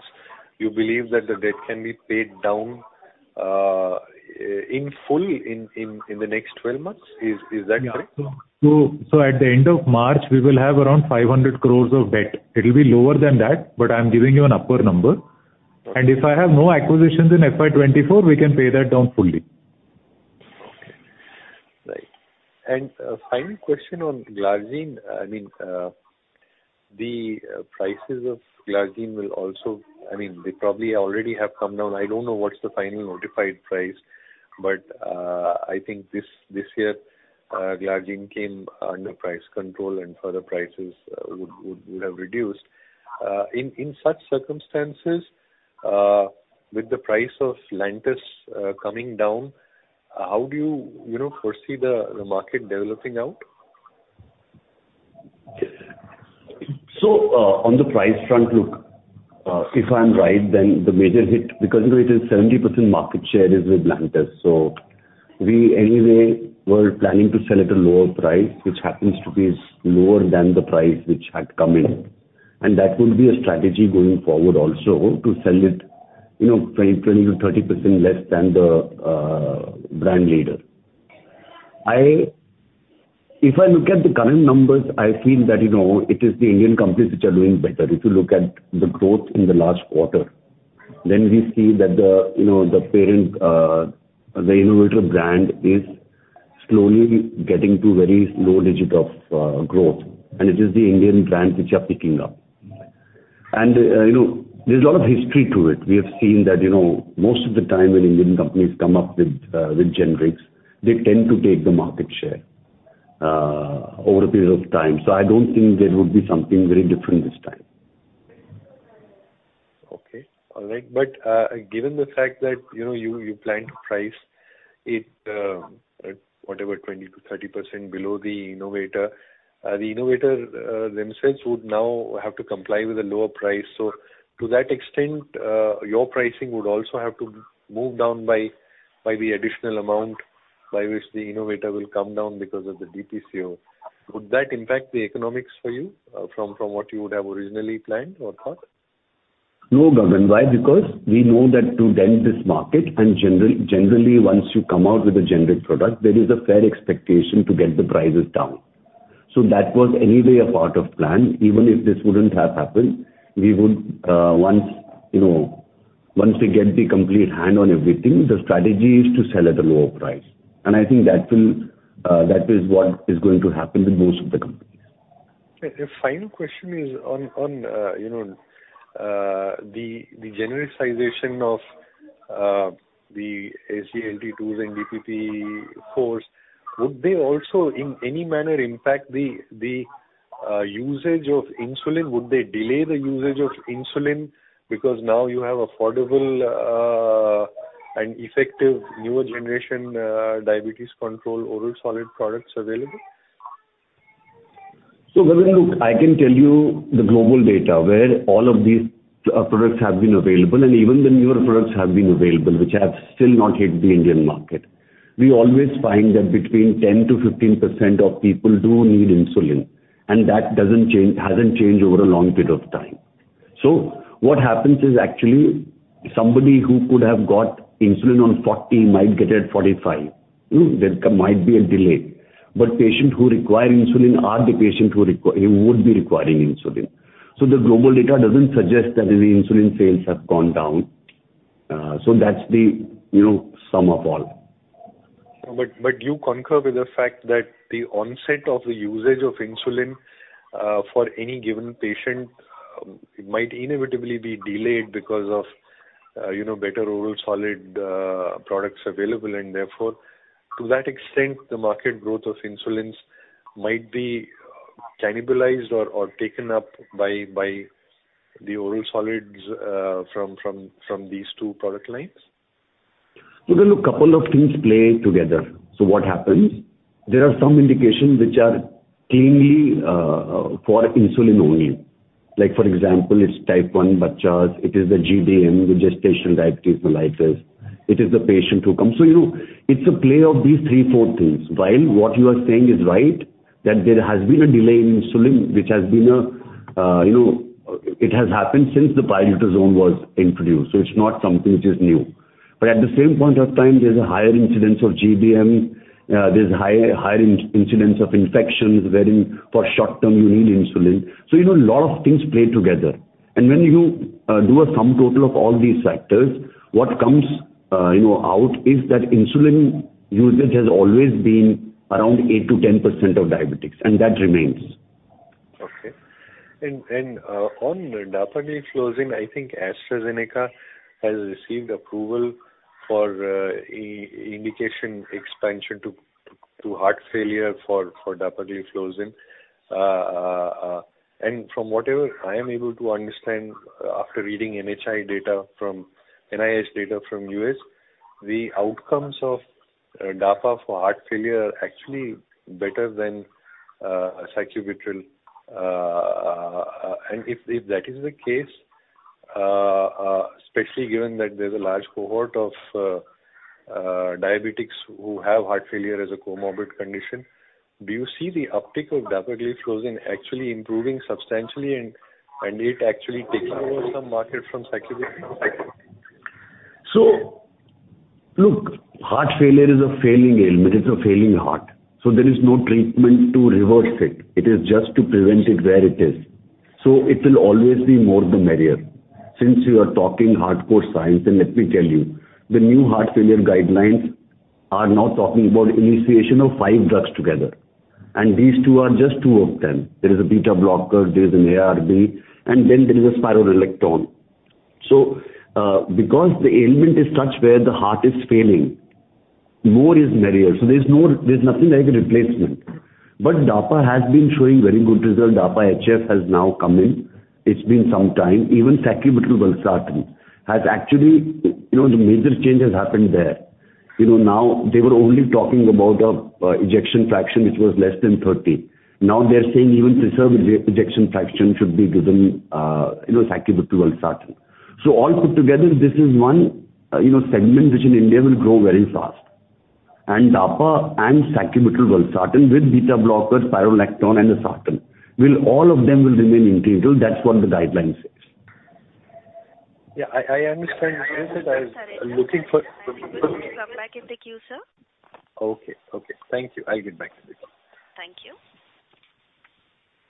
Speaker 9: you believe that the debt can be paid down, in full in the next 12 months? Is that correct?
Speaker 4: Yeah. At the end of March, we will have around 500 crores of debt. It'll be lower than that, but I'm giving you an upper number. If I have no acquisitions in FY 2024, we can pay that down fully.
Speaker 9: Okay. Right. A final question on glargine. I mean, the prices of glargine will also, I mean, they probably already have come down. I don't know what's the final notified price, but, I think this year, glargine came under price control and further prices would have reduced. In such circumstances, with the price of Lantus, coming down, how do you know, foresee the market developing out?
Speaker 4: On the price front, look, if I'm right, the major hit, because, you know, it is 70% market share is with Lantus. We anyway were planning to sell at a lower price, which happens to be lower than the price which had come in. That would be a strategy going forward also to sell it, you know, 20%-30% less than the brand leader. If I look at the current numbers, I feel that, you know, it is the Indian companies which are doing better. If you look at the growth in the last quarter, we see that the, you know, the parent, the innovator brand is slowly getting to very low digit of growth, and it is the Indian brands which are picking up. You know, there's a lot of history to it. We have seen that, you know, most of the time when Indian companies come up with generics, they tend to take the market share over a period of time. I don't think there would be something very different this time.
Speaker 9: Okay. All right. Given the fact that, you know, you plan to price it, whatever, 20%-30% below the innovator, the innovator themselves would now have to comply with a lower price. To that extent, your pricing would also have to move down by the additional amount by which the innovator will come down because of the DPCO. Would that impact the economics for you, from what you would have originally planned or not?
Speaker 4: No, Gagan. Why? Because we know that to dent this market and generally, once you come out with a generic product, there is a fair expectation to get the prices down. That was anyway a part of plan. Even if this wouldn't have happened, we would, once, you know, once we get the complete hand on everything, the strategy is to sell at a lower price. I think that will, that is what is going to happen with most of the companies.
Speaker 9: A final question is on, you know, the genericization of the SGLT2 and DPP-4s. Would they also in any manner impact the usage of insulin? Would they delay the usage of insulin because now you have affordable and effective newer generation diabetes control oral solid products available?
Speaker 4: Gagan, look, I can tell you the global data where all of these products have been available and even the newer products have been available, which have still not hit the Indian market. We always find that between 10%-15% of people do need insulin, and that doesn't change, hasn't changed over a long period of time. What happens is actually somebody who could have got insulin on 40 might get it 45. You know? There might be a delay. Patient who require insulin are the patient who would be requiring insulin. The global data doesn't suggest that the insulin sales have gone down. That's the, you know, sum of all.
Speaker 9: You concur with the fact that the onset of the usage of insulin, for any given patient might inevitably be delayed because of, you know, better oral solid products available, and therefore, to that extent, the market growth of insulins might be cannibalized or taken up by the oral solids from these two product lines.
Speaker 4: Gagan, look, couple of things play together. What happens, there are some indications which are cleanly for insulin only. Like for example, it's type one bachas, it is the GDM, the gestational diabetes mellitus, it is the patient who comes. You know, it's a play of these three, four things. While what you are saying is right, that there has been a delay in insulin, which has been, you know, it has happened since the pioglitazone was introduced. It's not something which is new. But at the same point of time, there's a higher incidence of GDM, there's higher incidence of infections wherein for short-term you need insulin. You know, a lot of things play together. When you do a sum total of all these factors, what comes, you know, out is that insulin usage has always been around 8%-10% of diabetics, and that remains.
Speaker 9: Okay. On dapagliflozin, I think AstraZeneca has received approval for indication expansion to heart failure for dapagliflozin. From whatever I am able to understand after reading NIH data from NIH data from US, the outcomes of Dapa for heart failure are actually better than sacubitril. If that is the case, especially given that there's a large cohort of diabetics who have heart failure as a comorbid condition, do you see the uptick of dapagliflozin actually improving substantially and it actually taking over some market from sacubitril/valsartan?
Speaker 4: Look, heart failure is a failing ailment. It's a failing heart, there is no treatment to reverse it. It is just to prevent it where it is. It will always be more the merrier. Since you are talking hardcore science, let me tell you, the new heart failure guidelines are now talking about initiation of five drugs together, and these two are just two of them. There is a beta blocker, there's an ARB, there is a spironolactone. Because the ailment is such where the heart is failing, more is merrier. There's nothing like a replacement. Dapa has been showing very good results. Dapa HF has now come in. It's been some time. Even sacubitril/valsartan has actually, you know, the major change has happened there. Now they were only talking about ejection fraction, which was less than 30. They're saying even preserved ejection fraction should be given, you know, sacubitril/valsartan. All put together, this is one, you know, segment which in India will grow very fast. Dapa and sacubitril/valsartan with beta blockers, spironolactone and the sartan all of them will remain integral. That's what the guideline says.
Speaker 9: Yeah, I understand. I said I'm looking for.
Speaker 1: Come back in the queue, sir.
Speaker 9: Okay. Okay. Thank you. I'll get back to this.
Speaker 1: Thank you.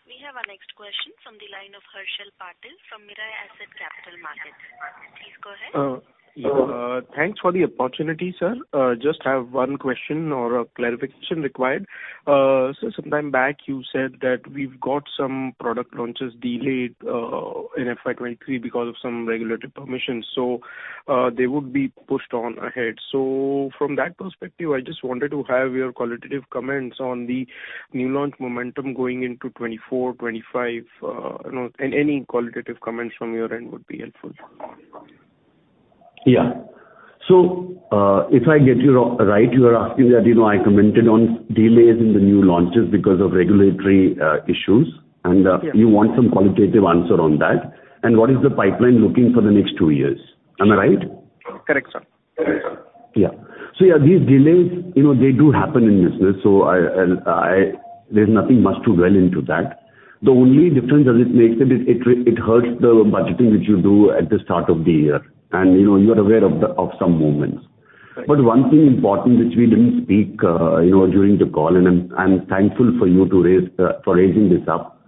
Speaker 1: We have our next question from the line of Harshal Patil from Mirae Asset Capital Markets. Please go ahead.
Speaker 10: Yeah. Thanks for the opportunity, sir. Just have one question or a clarification required. Sometime back you said that we've got some product launches delayed in FY 2023 because of some regulatory permissions, so they would be pushed on ahead. From that perspective, I just wanted to have your qualitative comments on the new launch momentum going into 2024, 2025. You know, any qualitative comments from your end would be helpful.
Speaker 4: Yeah. if I get you right, you are asking that, you know, I commented on delays in the new launches because of regulatory issues.
Speaker 10: Yes.
Speaker 4: You want some qualitative answer on that. What is the pipeline looking for the next two years? Am I right?
Speaker 10: Correct, sir.
Speaker 4: These delays, you know, they do happen in business, so there's nothing much to dwell into that. The only difference that it makes is it hurts the budgeting, which you do at the start of the year and, you know, you are aware of the, of some movements. One thing important, which we didn't speak, you know, during the call, and I'm thankful for you to raise for raising this up.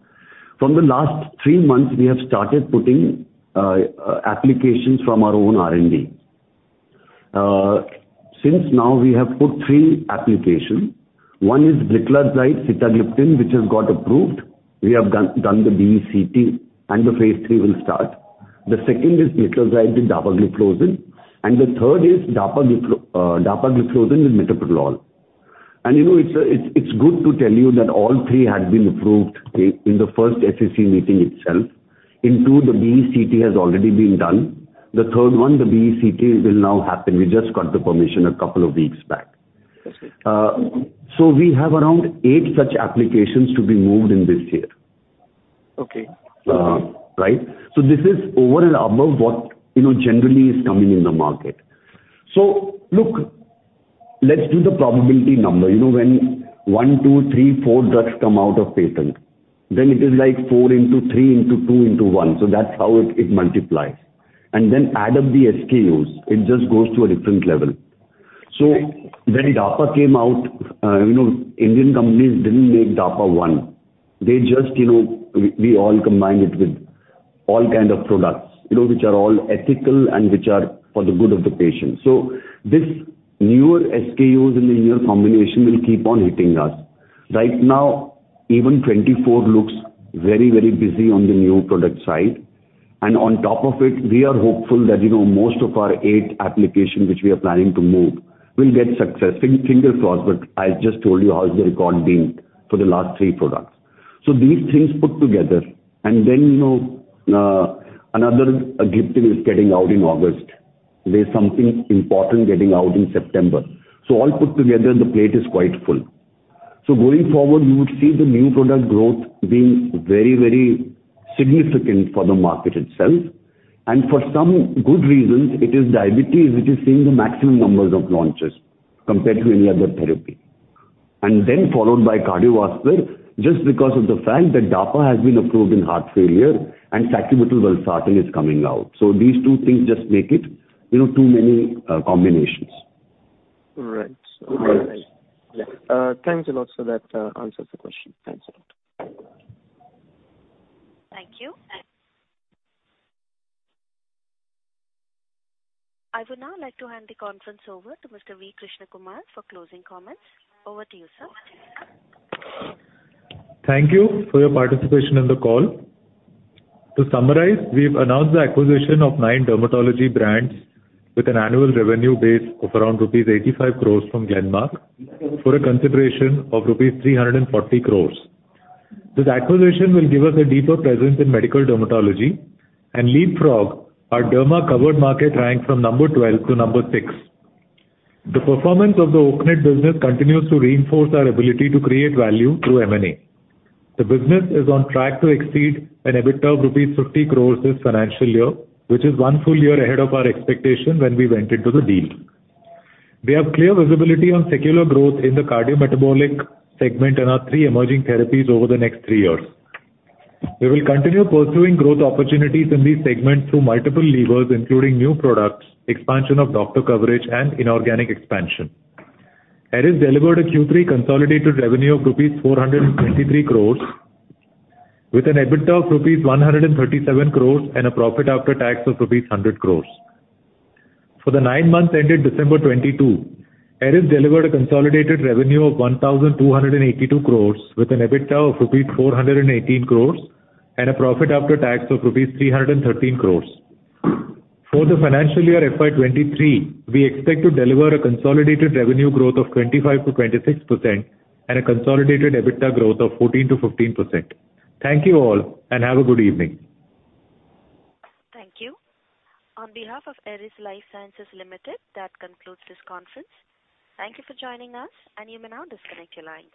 Speaker 4: From the last three months, we have started putting applications from our own R&D. Since now we have put three application. One is sitagliptin, which has got approved. We have done the BE/CT and the phase III will start. The 2nd is metoclopramide dapagliflozin, and the 3rd is dapagliflozin with metoprolol. You know it's good to tell you that all three had been approved in the first SEC meeting itself. In two the BE/CT has already been done. The 3rd one, the BE/CT will now happen. We just got the permission a couple of weeks back.
Speaker 10: That's it.
Speaker 4: We have around eight such applications to be moved in this year.
Speaker 10: Okay.
Speaker 4: Right? This is over and above what, you know, generally is coming in the market. Look, let's do the probability number. You know, when one, two, three, four drugs come out of patent, it is like four into three into two into one. That's how it multiplies. Then add up the SKUs. It just goes to a different level. When Dapa came out, you know, Indian companies didn't make Dapa one. They just, you know, we all combined it with all kind of products, you know, which are all ethical and which are for the good of the patient. This newer SKUs and the newer combination will keep on hitting us. Right now, even 2024 looks very, very busy on the new product side. On top of it, we are hopeful that, you know, most of our eight application which we are planning to move will get success. Finger crossed, I just told you how is the record been for the last three products. These things put together, you know, another gliptin is getting out in August. There's something important getting out in September. All put together, the plate is quite full. Going forward, you would see the new product growth being very, very significant for the market itself and for some good reasons, it is diabetes which is seeing the maximum numbers of launches compared to any other therapy. Followed by cardiovascular, just because of the fact that Dapa has been approved in heart failure and sacubitril/valsartan is coming out. These two things just make it, you know, too many combinations.
Speaker 10: Right.
Speaker 4: Right.
Speaker 10: Yeah. Thanks a lot, sir. That answers the question. Thanks a lot.
Speaker 1: Thank you. I would now like to hand the conference over to Mr. V. Krishnakumar for closing comments. Over to you, sir.
Speaker 2: Thank you for your participation in the call. To summarize, we've announced the acquisition of nine dermatology brands with an annual revenue base of around rupees 85 crores from Glenmark for a consideration of rupees 340 crores. This acquisition will give us a deeper presence in medical dermatology and leapfrog our derma covered market rank from number 12 to number six. The performance of the Oaknet business continues to reinforce our ability to create value through M&A. The business is on track to exceed an EBITDA of rupees 50 crores this financial year, which is one full year ahead of our expectation when we went into the deal. We have clear visibility on secular growth in the cardiometabolic segment and our 3 emerging therapies over the next 3 years. We will continue pursuing growth opportunities in these segments through multiple levers, including new products, expansion of doctor coverage, and inorganic expansion. Eris delivered a Q3 consolidated revenue of rupees 423 crores with an EBITDA of rupees 137 crores and a profit after tax of rupees 100 crores. For the nine months ended December 2022, Eris delivered a consolidated revenue of 1,282 crores with an EBITDA of rupees 418 crores and a profit after tax of rupees 313 crores. For the financial year FY 2023, we expect to deliver a consolidated revenue growth of 25%-26% and a consolidated EBITDA growth of 14%-15%. Thank you all, and have a good evening.
Speaker 1: Thank you. On behalf of Eris Lifesciences Limited, that concludes this conference. Thank you for joining us, and you may now disconnect your lines.